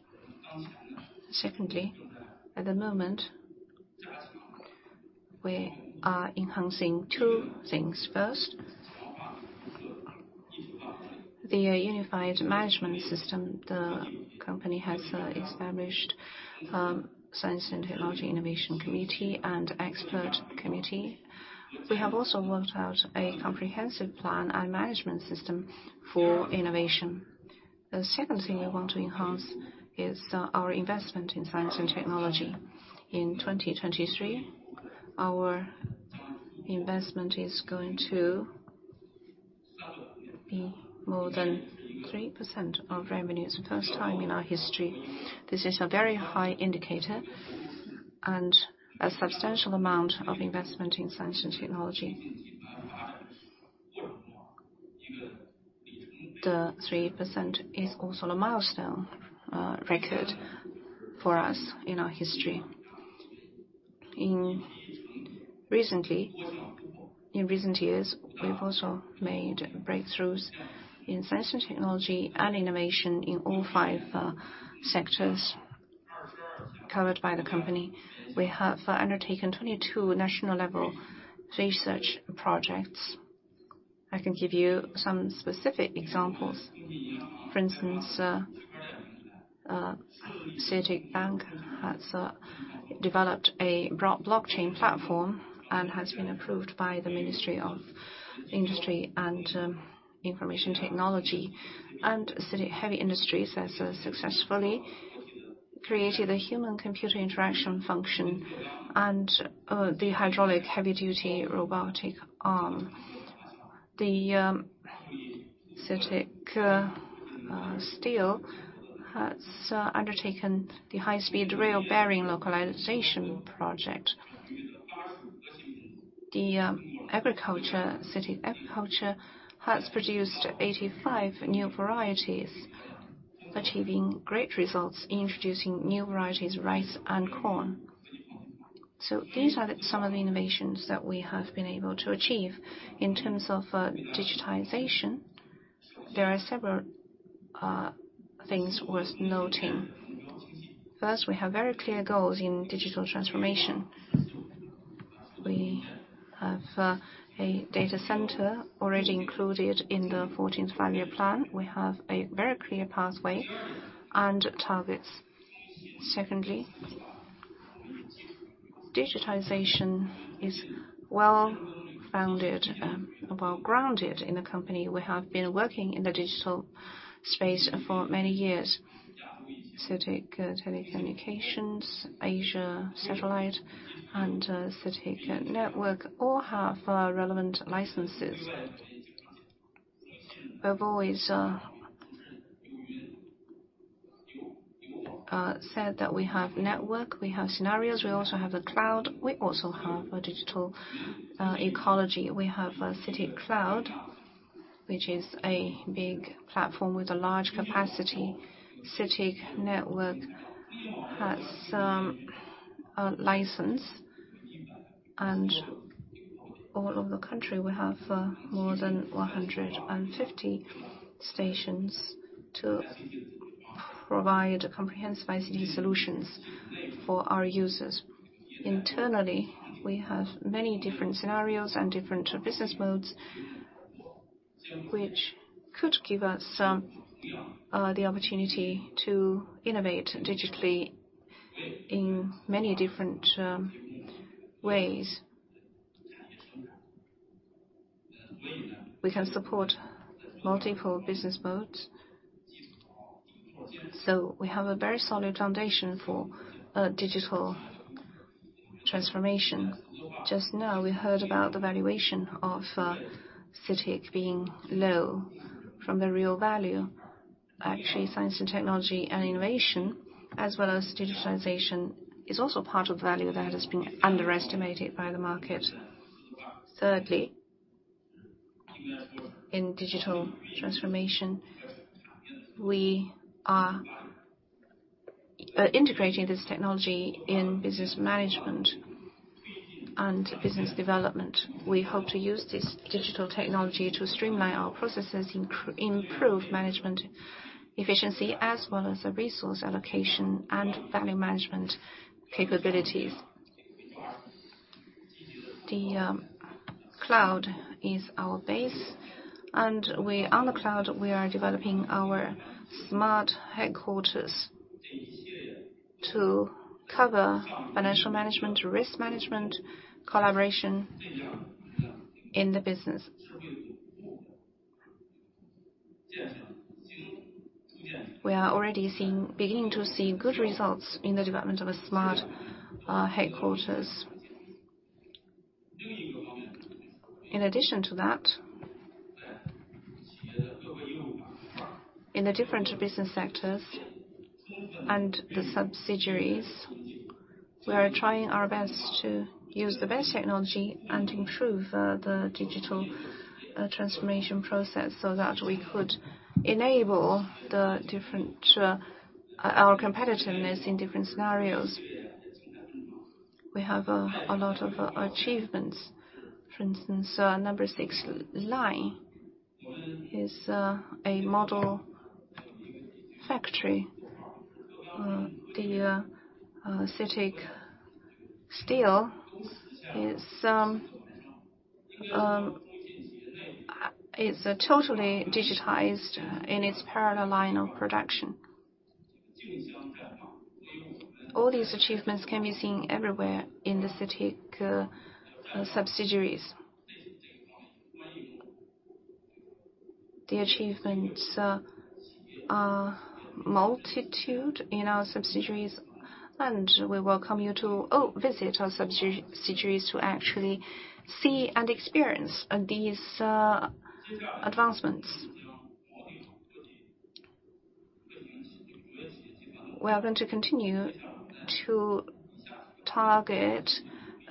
Secondly, at the moment, we are enhancing two things. First, the unified management system. The company has established Science and Technology Innovation Committee and Expert Committee. We have also worked out a comprehensive plan and management system for innovation. The second thing we want to enhance is our investment in science and technology. In 2023, our investment is going to be more than 3% of revenues. First time in our history. This is a very high indicator and a substantial amount of investment in science and technology. The 3% is also a milestone record for us in our history. In recent years, we've also made breakthroughs in science and technology and innovation in all five sectors covered by the company. We have undertaken 22 national-level research projects. I can give you some specific examples. For instance, CITIC Bank has developed a blockchain platform and has been approved by the Ministry of Industry and Information Technology. CITIC Heavy Industries has successfully created a human computer interaction function and the hydraulic heavy-duty robotic arm. CITIC Steel has undertaken the high-speed rail bearing localization project. Agriculture, CITIC Agriculture has produced 85 new varieties, achieving great results, introducing new varieties, rice and corn. These are some of the innovations that we have been able to achieve. In terms of digitization, there are several things worth noting. First, we have very clear goals in digital transformation. We have a data center already included in the 14th Five-Year Plan. We have a very clear pathway and targets. Secondly, digitization is well founded, well grounded in the company. We have been working in the digital space for many years. CITIC Telecommunications, AsiaSat, and CITIC Networks all have relevant licenses. We've always said that we have network, we have scenarios, we also have the cloud. We also have a digital ecology. We have CITIC Cloud, which is a big platform with a large capacity. CITIC Networks has a license. All over the country, we have more than 150 stations to provide comprehensive ICT solutions for our users. Internally, we have many different scenarios and different business modes, which could give us the opportunity to innovate digitally in many different ways. We can support multiple business modes. We have a very solid foundation for digital transformation. Just now, we heard about the valuation of CITIC being low from the real value. Actually, science and technology and innovation, as well as digitalization, is also part of the value that has been underestimated by the market. Thirdly, in digital transformation, we are integrating this technology in business management and business development. We hope to use this digital technology to streamline our processes, improve management efficiency, as well as the resource allocation and value management capabilities. The cloud is our base. On the cloud, we are developing our smart headquarters to cover financial management, risk management, collaboration in the business. We are already beginning to see good results in the development of a smart headquarters. In addition to that, in the different business sectors and the subsidiaries, we are trying our best to use the best technology and improve the digital transformation process so that we could enable the different our competitiveness in different scenarios. We have a lot of achievements. For instance, number six line is a model factory. The CITIC Steel is totally digitized in its parallel line of production. All these achievements can be seen everywhere in the CITIC subsidiaries. The achievements are multitude in our subsidiaries, and we welcome you to visit our subsidiaries to actually see and experience these advancements. We are going to continue to target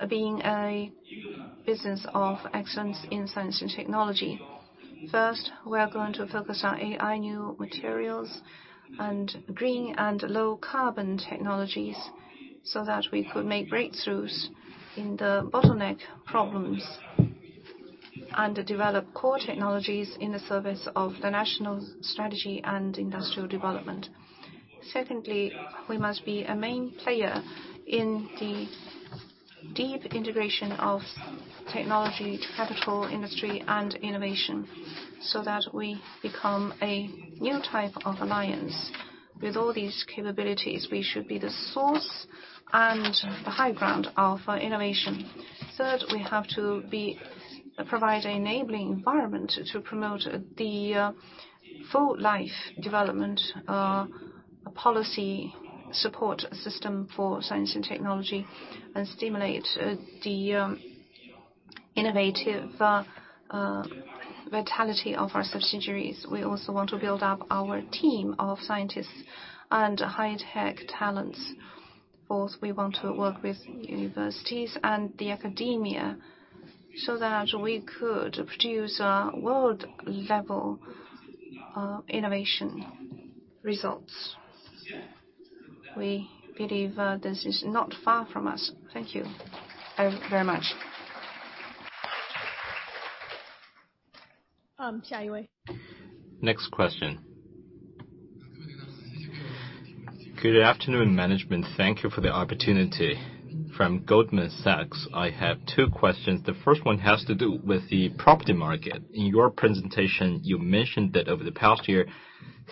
being a business of excellence in science and technology. First, we are going to focus on AI new materials and green and low carbon technologies so that we could make breakthroughs in the bottleneck problems and develop core technologies in the service of the national strategy and industrial development. Secondly, we must be a main player in the deep integration of technology, capital, industry, and innovation, so that we become a new type of alliance. With all these capabilities, we should be the source and the high ground of innovation. Third, we have to provide enabling environment to promote the full life development policy support system for science and technology, and stimulate the innovative vitality of our subsidiaries. We also want to build up our team of scientists and high-tech talents. Both, we want to work with universities and the academia so that we could produce world-level innovation results. We believe, this is not far from us. Thank you very much. Chia Wei. Next question. Good afternoon, management. Thank you for the opportunity. From Goldman Sachs, I have 2 questions. The first one has to do with the property market. In your presentation, you mentioned that over the past year,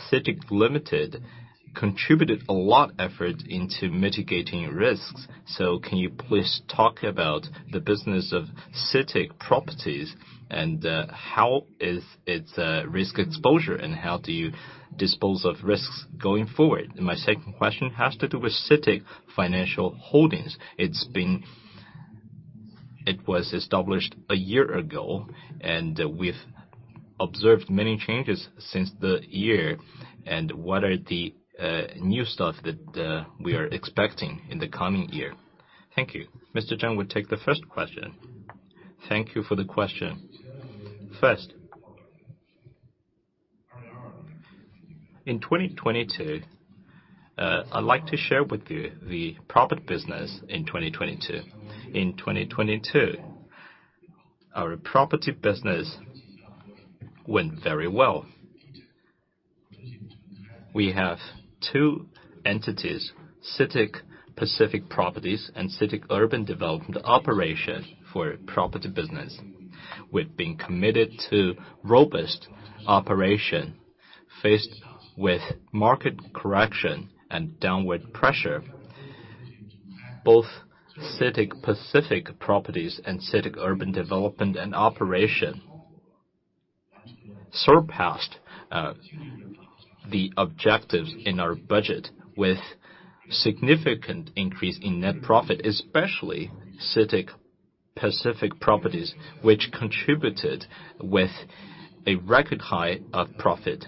CITIC Limited contributed a lot effort into mitigating risks. Can you please talk about the business of CITIC Properties and how is its risk exposure, and how do you dispose of risks going forward? My second question has to do with CITIC Financial Holdings. It was established 1 year ago, we've observed many changes since the year. What are the new stuff that we are expecting in the coming year? Thank you. Mr. Zhang will take the first question. Thank you for the question. First, in 2022, I'd like to share with you the profit business in 2022. In 2022, our property business went very well. We have two entities, CITIC Pacific Properties and CITIC Urban Development Operations for property business. We've been committed to robust operation. Faced with market correction and downward pressure, both CITIC Pacific Properties and CITIC Urban Development and Operation surpassed the objectives in our budget with significant increase in net profit, especially CITIC Pacific Properties, which contributed with a record high of profit.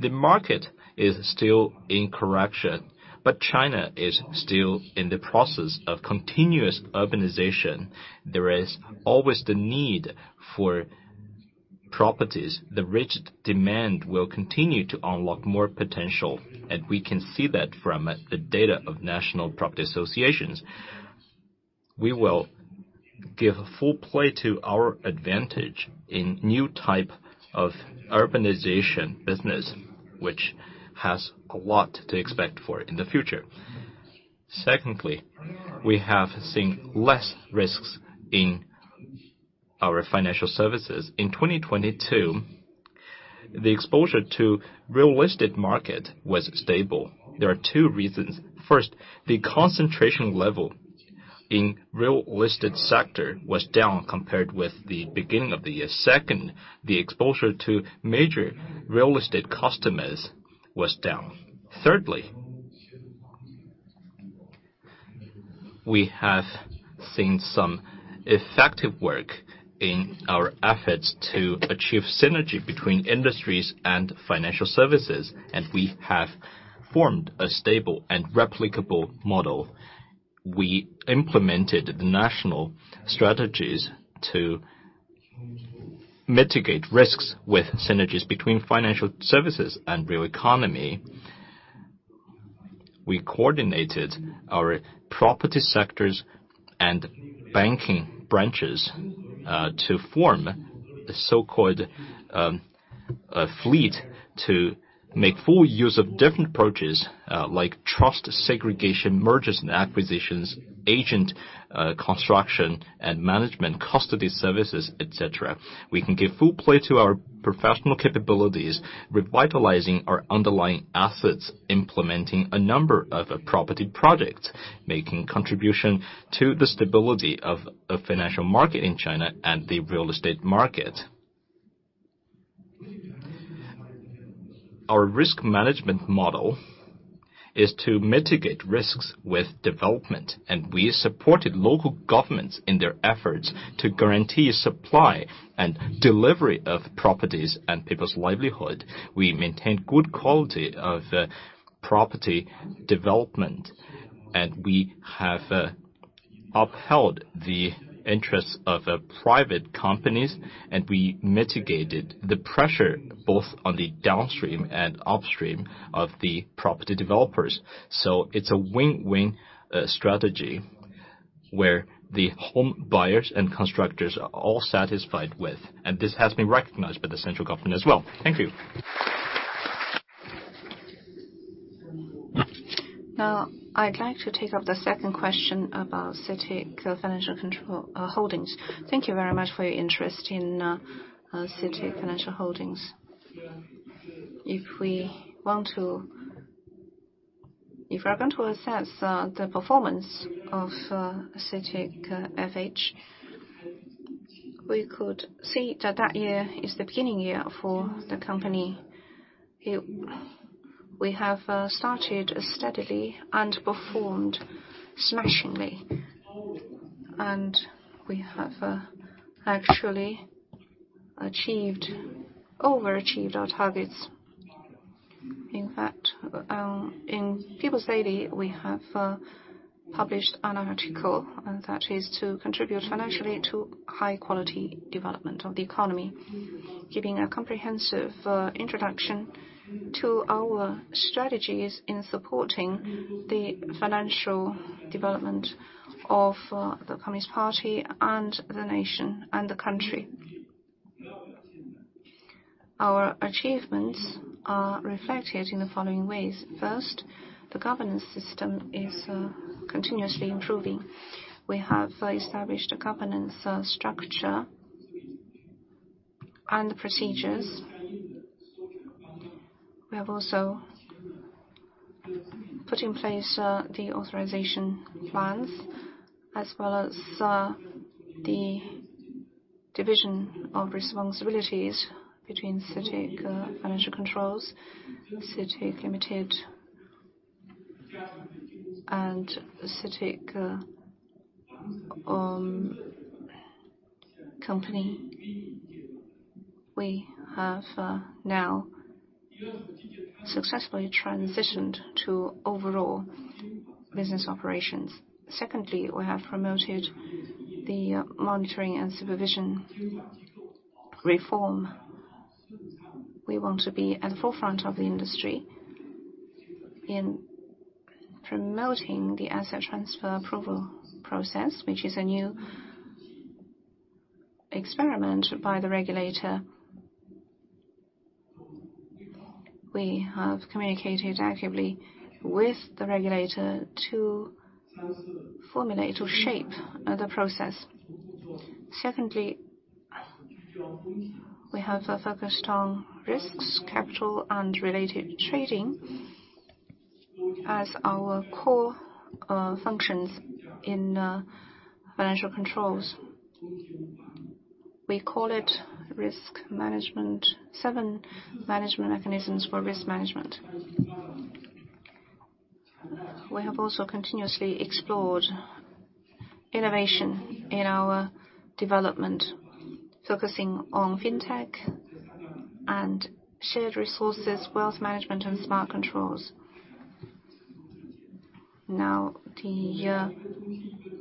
The market is still in correction, China is still in the process of continuous urbanization. There is always the need for properties. The rigid demand will continue to unlock more potential, we can see that from the data of national property associations. We will give full play to our advantage in new type of urbanization business, which has a lot to expect for in the future. We have seen less risks in our financial services. In 2022, the exposure to real estate market was stable. There are two reasons. The concentration level in real estate sector was down compared with the beginning of the year. The exposure to major real estate customers was down. We have seen some effective work in our efforts to achieve synergy between industries and financial services, and we have formed a stable and replicable model. We implemented the national strategies to mitigate risks with synergies between financial services and real economy. We coordinated our property sectors and banking branches to form the so-called fleet to make full use of different approaches, like trust segregation, mergers and acquisitions, agent construction and management, custody services, et cetera. We can give full play to our professional capabilities, revitalizing our underlying assets, implementing a number of property projects, making contribution to the stability of a financial market in China and the real estate market. Our risk management model is to mitigate risks with development. We supported local governments in their efforts to guarantee supply and delivery of properties and people's livelihood. We maintained good quality of property development. We have upheld the interests of private companies, and we mitigated the pressure both on the downstream and upstream of the property developers. It's a win-win strategy where the home buyers and constructors are all satisfied with. This has been recognized by the Central Government as well. Thank you. Now, I'd like to take up the second question about CITIC Financial Holdings. Thank you very much for your interest in CITIC Financial Holdings. If we are going to assess the performance of CITIC FH, we could see that that year is the beginning year for the company. We have started steadily and performed smashingly. We have actually over-achieved our targets. In fact, in People's Daily, we have published an article that is to contribute financially to high-quality development of the economy, giving a comprehensive introduction to our strategies in supporting the financial development of the Communist Party and the nation and the country. Our achievements are reflected in the following ways. First, the governance system is continuously improving. We have established a governance structure and procedures. We have also put in place the authorization plans as well as the division of responsibilities between CITIC Financial Controls, CITIC Limited, and CITIC Company. We have now successfully transitioned to overall business operations. Secondly, we have promoted the monitoring and supervision reform. We want to be at the forefront of the industry in promoting the asset transfer approval process, which is a new experiment by the regulator. We have communicated actively with the regulator to formulate or shape the process. Secondly, we have focused on risks, capital, and related trading as our core functions in financial controls. We call it risk management, seven management mechanisms for risk management. We have also continuously explored innovation in our development, focusing on fintech and shared resources, wealth management, and smart controls. Now the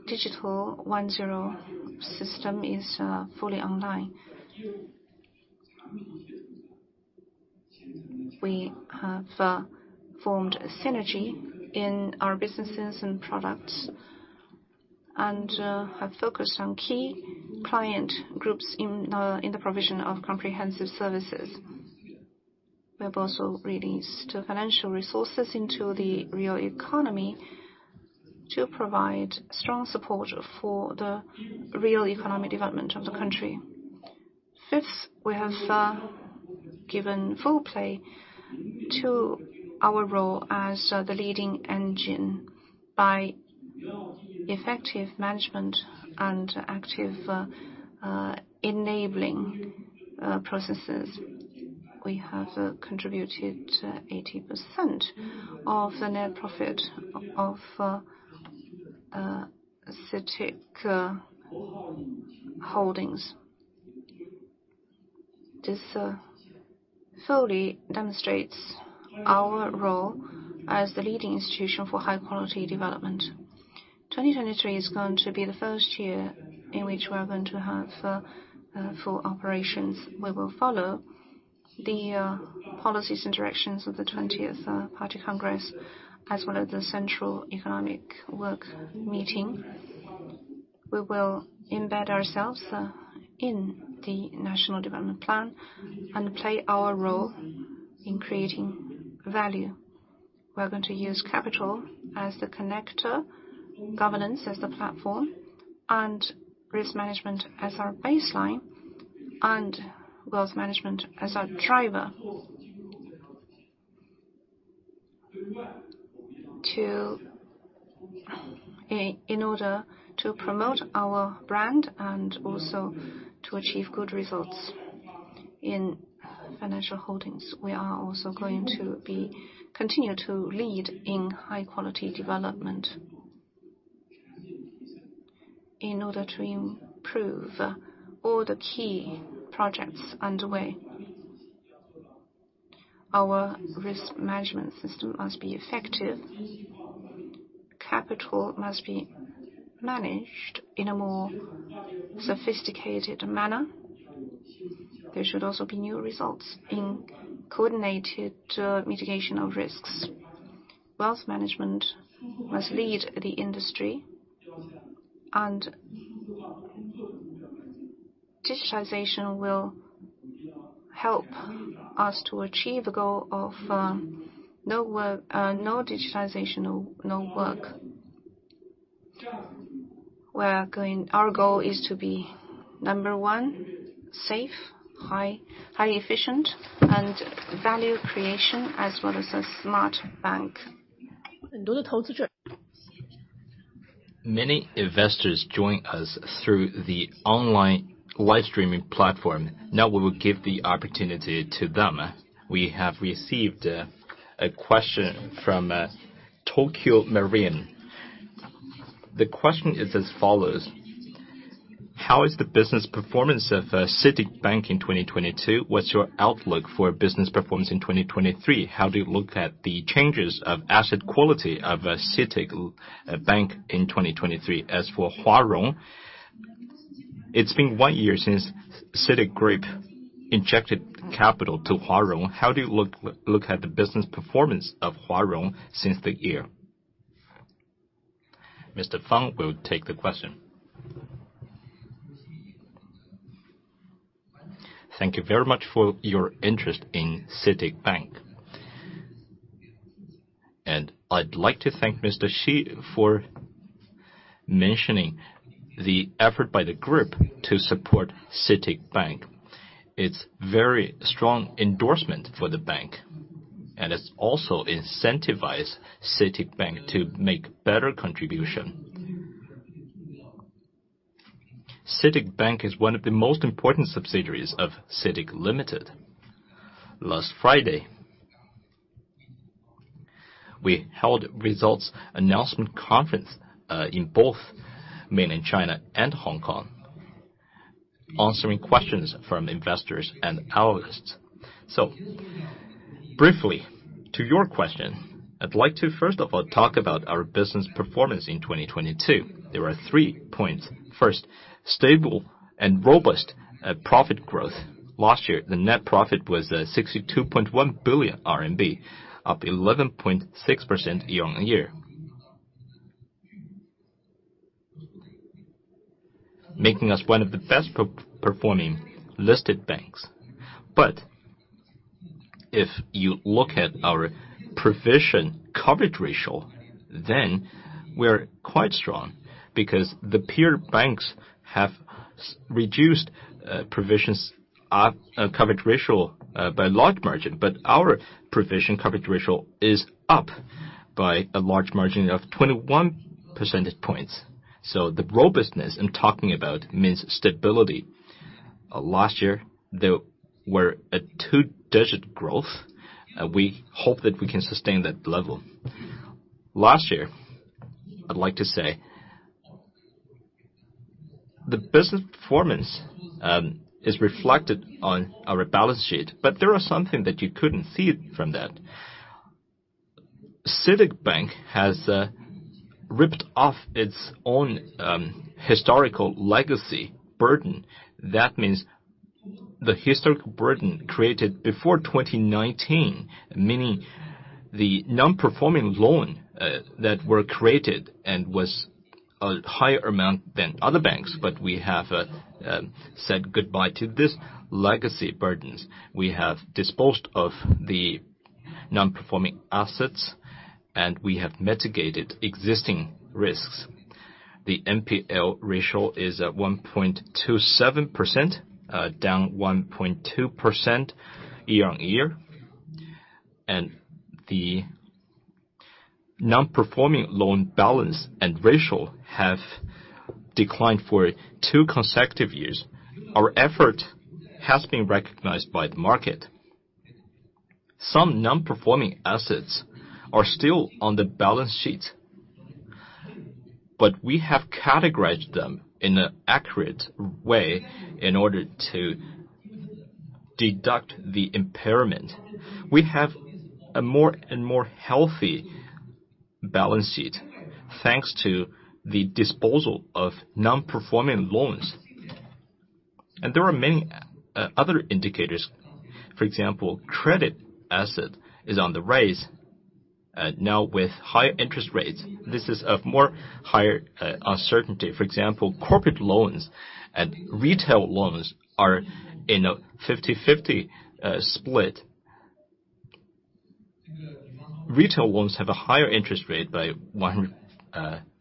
digital 10 system is fully online. We have formed a synergy in our businesses and products, and have focused on key client groups in the provision of comprehensive services. We have also released financial resources into the real economy to provide strong support for the real economic development of the country. Fifth, we have given full play to our role as the leading engine by effective management and active enabling processes. We have contributed to 80% of the net profit of CITIC holdings. This fully demonstrates our role as the leading institution for high quality development. 2023 is going to be the first year in which we are going to have full operations. We will follow the policies and directions of the 20th Party Congress, as well as the Central Economic Work Meeting. We will embed ourselves in the national development plan and play our role in creating value. We are going to use capital as the connector, governance as the platform, and risk management as our baseline, and wealth management as our driver in order to promote our brand and also to achieve good results in financial holdings. We are also going to be continue to lead in high-quality development in order to improve all the key projects underway. Our risk management system must be effective. Capital must be managed in a more sophisticated manner. There should also be new results in coordinated mitigation of risks. Wealth management must lead the industry. Digitization will help us to achieve a goal of, no work, no digitization, no work. Our goal is to be number 1, safe, highly efficient, and value creation, as well as a smart bank. Many investors joined us through the online live streaming platform. Now we will give the opportunity to them. We have received a question from Tokio Marine. The question is as follows. How is the business performance of CITIC Bank in 2022? What's your outlook for business performance in 2023? How do you look at the changes of asset quality of a CITIC Bank in 2023? As for Huarong, it's been one year since CITIC Group injected capital to Huarong. How do you look at the business performance of Huarong since the year? Mr. Fang will take the question. Thank you very much for your interest in CITIC Bank. I'd like to thank Mr. Xi for mentioning the effort by the group to support CITIC Bank. It's very strong endorsement for the bank, and it's also incentivize CITIC Bank to make better contribution. CITIC Bank is one of the most important subsidiaries of CITIC Limited. Last Friday, we held results announcement conference in both mainland China and Hong Kong, answering questions from investors and analysts. Briefly, to your question, I'd like to first of all talk about our business performance in 2022. There are 3 points. First, stable and robust profit growth. Last year, the net profit was 62.1 billion RMB, up 11.6% year-on-year. Making us one of the best per-performing listed banks. If you look at our provision coverage ratio, then we're quite strong because the peer banks have reduced provisions coverage ratio by large margin, but our provision coverage ratio is up by a large margin of 21 percentage points. The robustness I'm talking about means stability. Last year, we're a two-digit growth. We hope that we can sustain that level. Last year, I'd like to say, the business performance is reflected on our balance sheet, but there are something that you couldn't see from that. CITIC Bank has ripped off its own historical legacy burden. That means the historic burden created before 2019, meaning the non-performing loan that were created and was a higher amount than other banks, but we have said goodbye to this legacy burdens. We have disposed of the non-performing assets, and we have mitigated existing risks. The NPL ratio is at 1.27%, down 1.2% year-on-year. The non-performing loan balance and ratio have declined for two consecutive years. Our effort has been recognized by the market. Some non-performing assets are still on the balance sheet. We have categorized them in an accurate way in order to deduct the impairment. We have a more and more healthy balance sheet, thanks to the disposal of non-performing loans. There are many other indicators. For example, credit asset is on the rise. Now with higher interest rates, this is of more higher uncertainty. For example, corporate loans and retail loans are in a 50/50 split. Retail loans have a higher interest rate by 1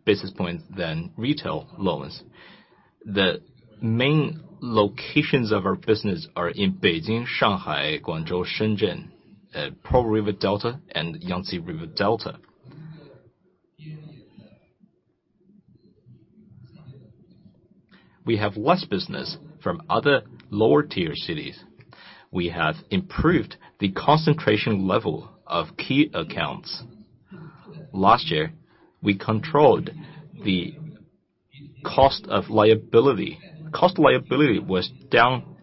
business point than retail loans. The main locations of our business are in Beijing, Shanghai, Guangzhou, Shenzhen, Pearl River Delta, and Yangtze River Delta. We have less business from other lower-tier cities. We have improved the concentration level of key accounts. Last year, we controlled the cost of liability. Cost of liability was down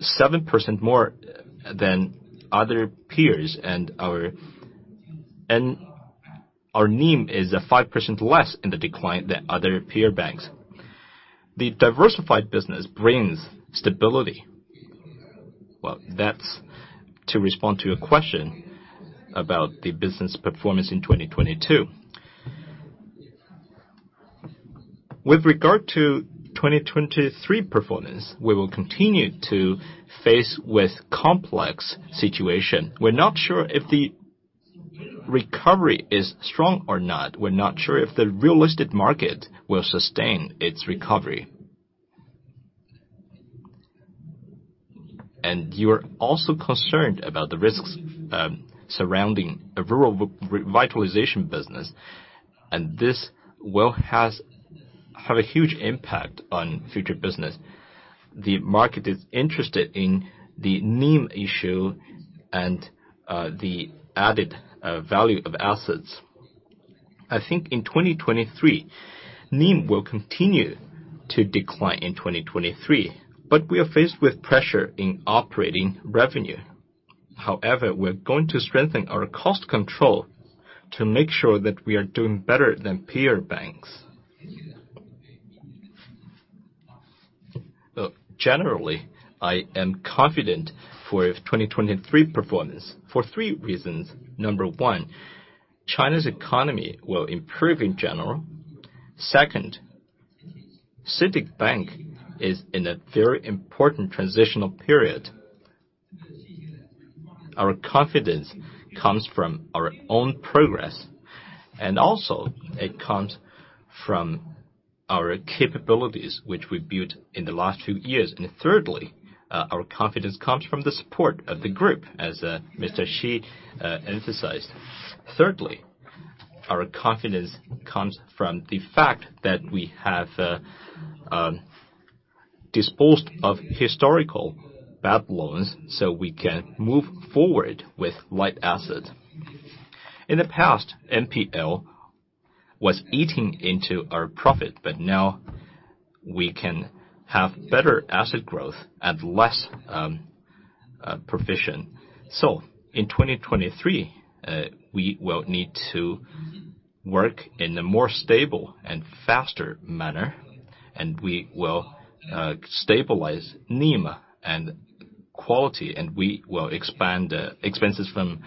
7% more than other peers. Our NIM is 5% less in the decline than other peer banks. The diversified business brings stability. Well, that's to respond to your question about the business performance in 2022. With regard to 2023 performance, we will continue to face with complex situation. We're not sure if the recovery is strong or not. We're not sure if the real estate market will sustain its recovery. You're also concerned about the risks surrounding a rural revitalization business, and this will have a huge impact on future business. The market is interested in the NIM issue, the added value of assets. I think in 2023, NIM will continue to decline in 2023, but we are faced with pressure in operating revenue. We're going to strengthen our cost control to make sure that we are doing better than peer banks. Generally, I am confident for 2023 performance for three reasons. Number one, China's economy will improve in general. Second, CITIC Bank is in a very important transitional period. Our confidence comes from our own progress, also it comes from our capabilities which we built in the last few years. Thirdly, our confidence comes from the support of the group, as Mr. Shi emphasized. Thirdly, our confidence comes from the fact that we have disposed of historical bad loans so we can move forward with light assets. In the past, NPL was eating into our profit, now we can have better asset growth and less provision. In 2023, we will need to work in a more stable and faster manner, and we will stabilize NIM and quality, and we will expand expenses from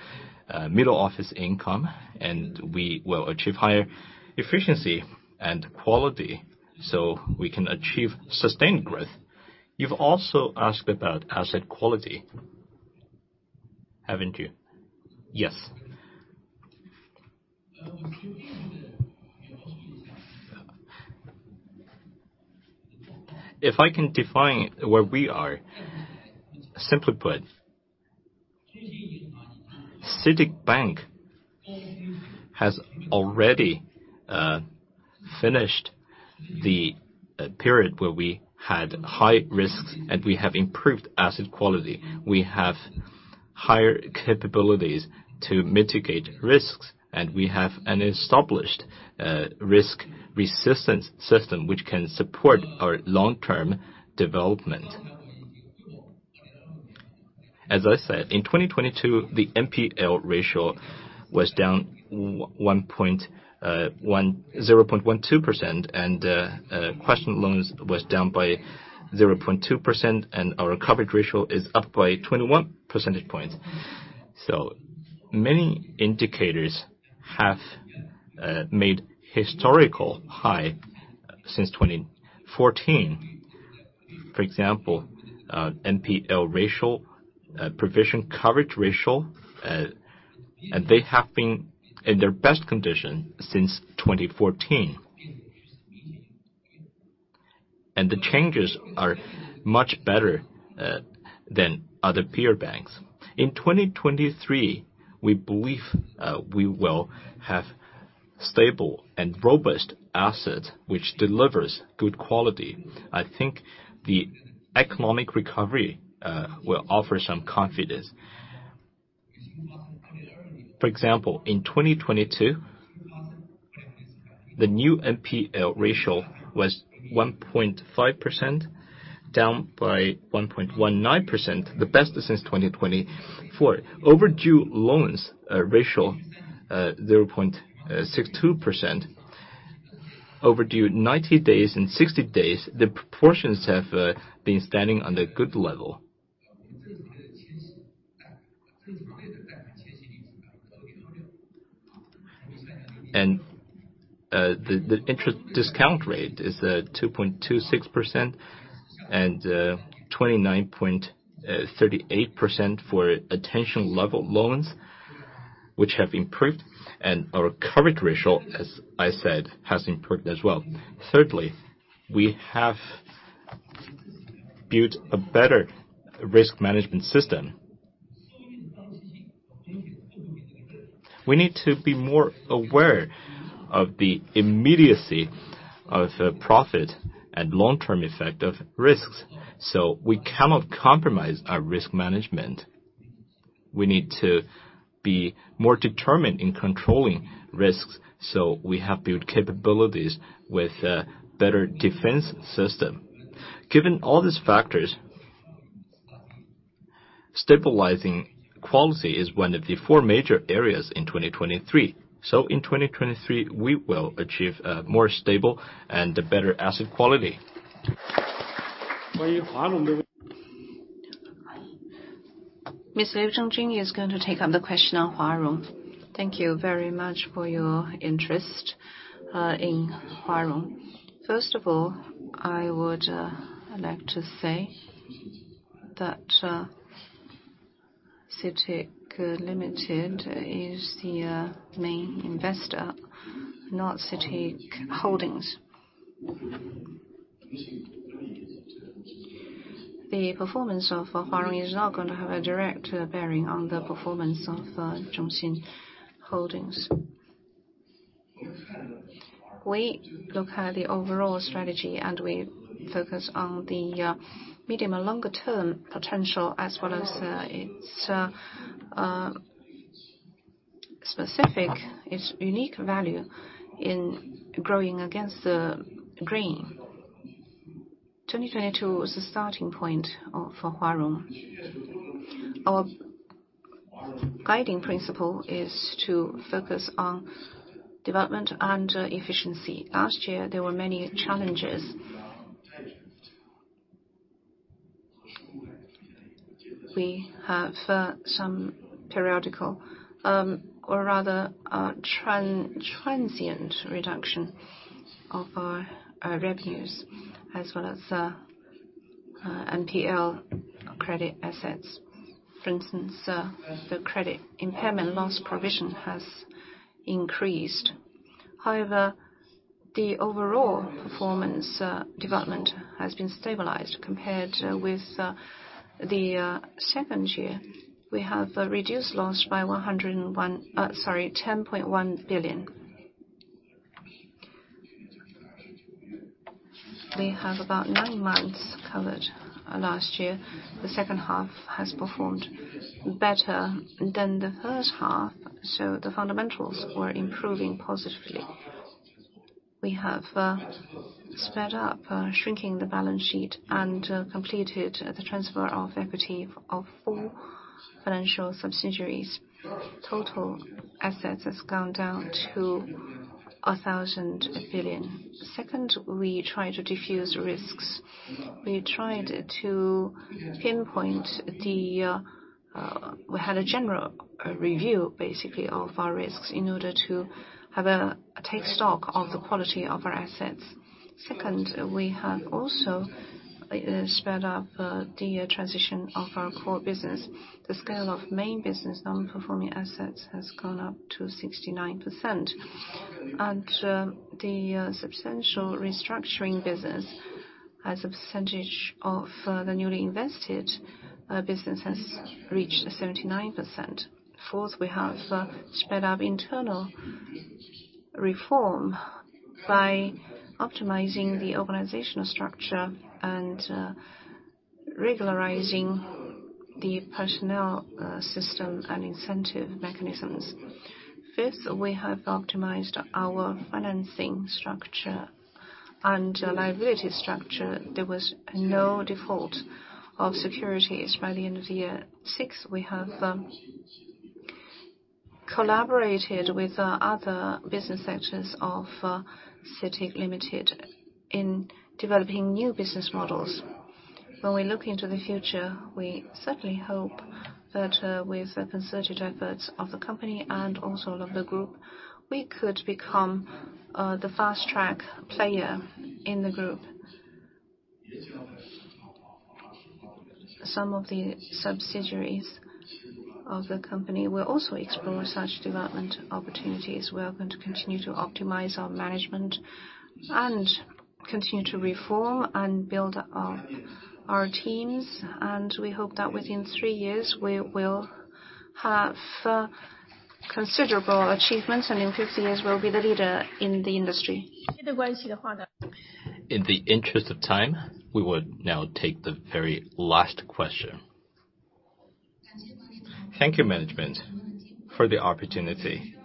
middle office income, and we will achieve higher efficiency and quality, so we can achieve sustained growth. You've also asked about asset quality, haven't you? Yes. If I can define where we are, simply put, CITIC Bank has already finished the period where we had high risks and we have improved asset quality. We have higher capabilities to mitigate risks, and we have an established risk resistance system which can support our long-term development. As I said, in 2022, the NPL ratio was down 0.12%, and question loans was down by 0.2%, and our recovery ratio is up by 21 percentage points. Many indicators have made historical high since 2014. For example, NPL ratio, provision coverage ratio, they have been in their best condition since 2014. The changes are much better than other peer banks. In 2023, we believe we will have stable and robust assets which delivers good quality. I think the economic recovery will offer some confidence. For example, in 2022, the new NPL ratio was 1.5%, down by 1.19%, the best since 2024. Overdue loans ratio 0.62%. Overdue 90 days and 60 days, the proportions have been standing on the good level. The interest discount rate is 2.26% and 29.38% for attention level loans, which have improved, and our coverage ratio, as I said, has improved as well. Thirdly, we have built a better risk management system. We need to be more aware of the immediacy of profit and long-term effect of risks, we cannot compromise our risk management. We need to be more determined in controlling risks, we have built capabilities with a better defense system. Given all these factors, stabilizing quality is one of the four major areas in 2023. In 2023, we will achieve a more stable and a better asset quality. Ms. Liu Zhengjun is going to take on the question on Huarong. Thank you very much for your interest in Huarong. First of all, I would like to say that CITIC Limited is the main investor, not CITIC Financial Holdings. The performance of Huarong is not gonna have a direct bearing on the performance of CITIC Financial Holdings. We look at the overall strategy, and we focus on the medium and longer term potential, as well as its specific, its unique value in growing against the grain. 2022 was the starting point for Huarong. Our guiding principle is to focus on development and efficiency. Last year, there were many challenges. We have some periodical, or rather, transient reduction of our revenues as well as NPL credit assets. For instance, the credit impairment loss provision has increased. The overall performance development has been stabilized compared with the second year. We have reduced loss by 10.1 billion. We have about 9 months covered last year. The second half has performed better than the first half, the fundamentals were improving positively. We have sped up shrinking the balance sheet and completed the transfer of equity of 4 financial subsidiaries. Total assets has gone down to 1,000 billion. Second, we tried to diffuse risks. We tried to pinpoint the. We had a general review basically of our risks in order to take stock of the quality of our assets. Second, we have also sped up the transition of our core business. The scale of main business non-performing assets has gone up to 69%. The substantial restructuring business. As a percentage of the newly invested business has reached 79%. Fourth, we have sped up internal reform by optimizing the organizational structure and regularizing the personnel system and incentive mechanisms. Fifth, we have optimized our financing structure and liability structure. There was no default of securities by the end of the year. Six, we have collaborated with our other business sectors of CITIC Limited in developing new business models. When we look into the future, we certainly hope that with the concerted efforts of the company and also of the group, we could become the fast-track player in the group. Some of the subsidiaries of the company will also explore such development opportunities. We are going to continue to optimize our management and continue to reform and build up our teams. We hope that within 3 years, we will have considerable achievements, and in 50 years, we'll be the leader in the industry. In the interest of time, we will now take the very last question. Thank you, management, for the opportunity.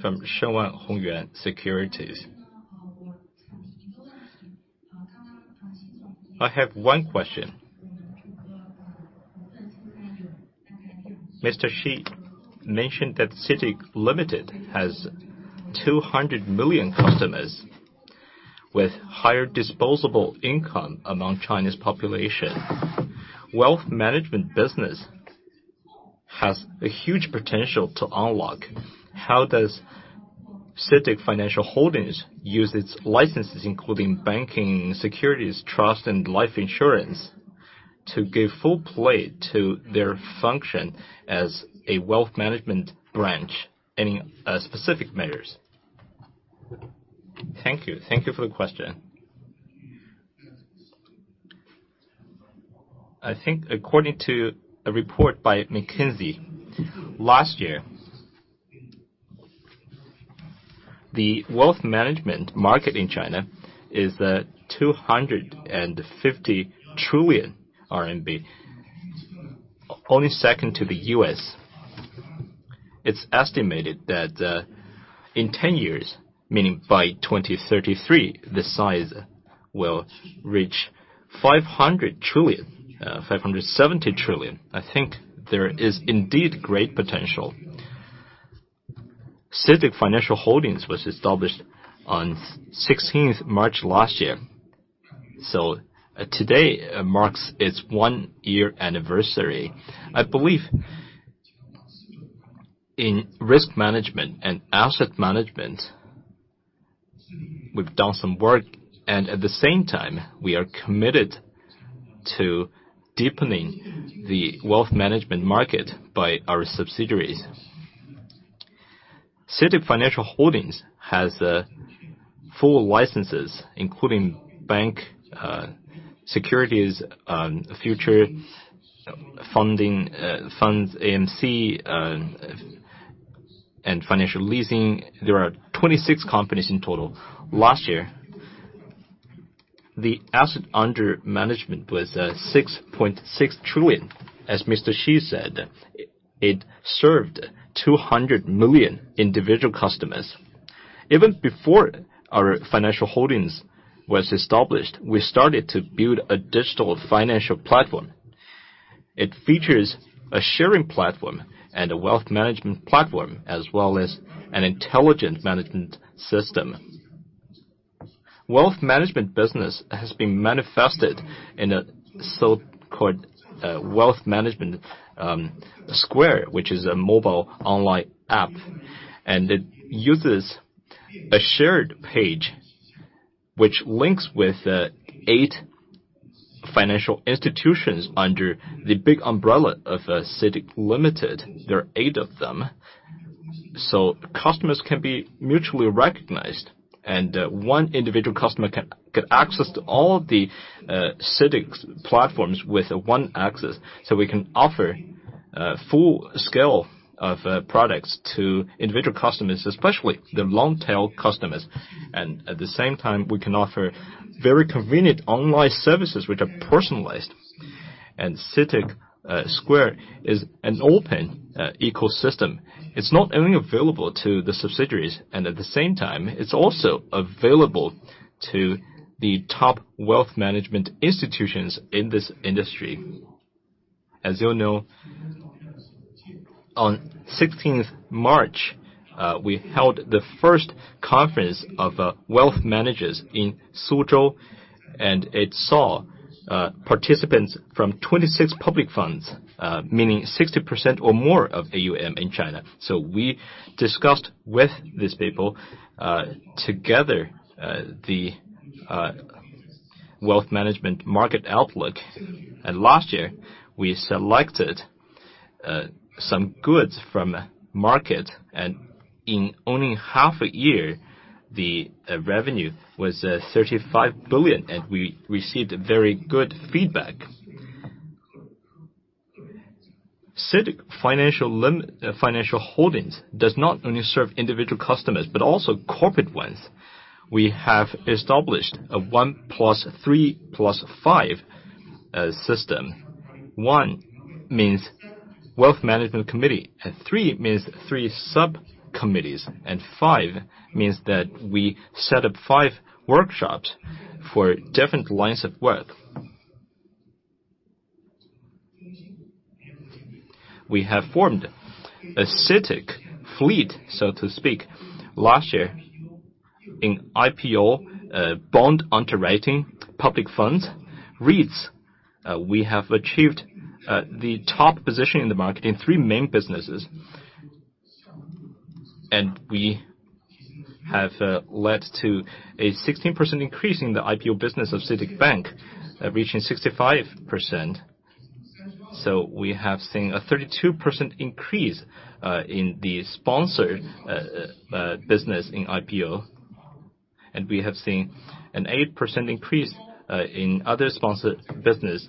From Shenwan Hongyuan Securities. I have one question. Mr. Shi mentioned that CITIC Limited has 200 million customers with higher disposable income among China's population. Wealth management business has a huge potential to unlock. How does CITIC Financial Holdings use its licenses, including banking, securities, trust, and life insurance, to give full play to their function as a wealth management branch? Any specific measures? Thank you. Thank you for the question. I think according to a report by McKinsey, last year, the wealth management market in China is at 250 trillion RMB, only second to the US. It's estimated that in 10 years, meaning by 2033, the size will reach 500 trillion, 570 trillion. I think there is indeed great potential. CITIC Financial Holdings was established on 16th March last year, so today marks its one-year anniversary. I believe in risk management and asset management, we've done some work, and at the same time, we are committed to deepening the wealth management market by our subsidiaries. CITIC Financial Holdings has full licenses, including bank, securities, future, funding, funds, AMC, and financial leasing. There are 26 companies in total. Last year, the asset under management was 6.6 trillion. As Mr. Shi said, it served 200 million individual customers. Even before our financial holdings was established, we started to build a digital financial platform. It features a sharing platform and a wealth management platform, as well as an intelligent management system. Wealth management business has been manifested in a so-called wealth management CITIC Square, which is a mobile online app. It uses a shared page which links with eight financial institutions under the big umbrella of CITIC Limited. There are eight of them. Customers can be mutually recognized, and one individual customer can access to all of the CITIC's platforms with one access. We can offer full scale of products to individual customers, especially the long-tail customers. At the same time, we can offer very convenient online services which are personalized. CITIC Square is an open ecosystem. It's not only available to the subsidiaries. At the same time, it's also available to the top wealth management institutions in this industry. As you all know, on 16th March, we held the first conference of wealth managers in Suzhou. It saw participants from 26 public funds, meaning 60% or more of AUM in China. We discussed with these people together the wealth management market outlook. Last year, we selected some goods from market, and in only half a year, the revenue was 35 billion, and we received very good feedback. CITIC Financial Holdings does not only serve individual customers, but also corporate ones. We have established a 1 plus 3 plus 5 system. 1 means wealth management committee, 3 means 3 sub-committees, and 5 means that we set up 5 workshops for different lines of work. We have formed a CITIC fleet, so to speak. Last year, in IPO, bond underwriting public funds, REITs, we have achieved the top position in the market in three main businesses. We have led to a 16% increase in the IPO business of CITIC Bank, reaching 65%. We have seen a 32% increase in the sponsored business in IPO, and we have seen an 8% increase in other sponsored business.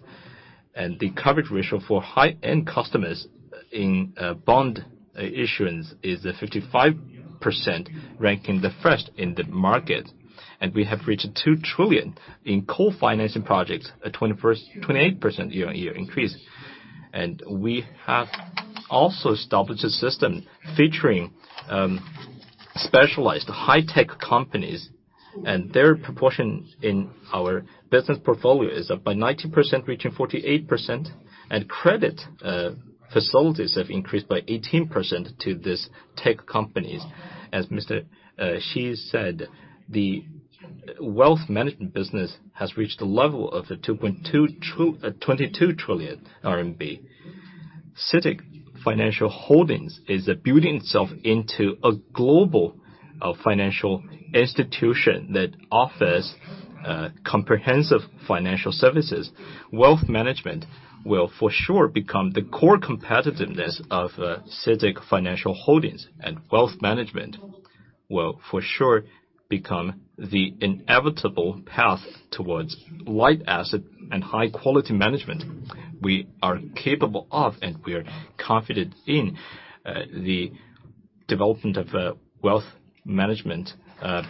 The coverage ratio for high-end customers in bond issuance is 55%, ranking the first in the market. We have reached 2 trillion in co-financing projects, a 28% year-on-year increase. We have also established a system featuring specialized high-tech companies, and their proportion in our business portfolio is up by 19%, reaching 48%. Credit facilities have increased by 18% to these tech companies. As Mr. Shi said, the wealth management business has reached a level of 22 trillion RMB. CITIC Financial Holdings is building itself into a global financial institution that offers comprehensive financial services. Wealth management will for sure become the core competitiveness of CITIC Financial Holdings, and wealth management will for sure become the inevitable path towards light asset and high quality management. We are capable of and we are confident in the development of wealth management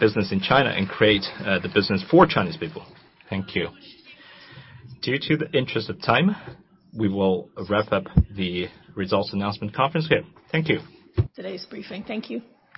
business in China and create the business for Chinese people. Thank you. Due to the interest of time, we will wrap up the results announcement conference here. Thank you. Today's briefing. Thank you.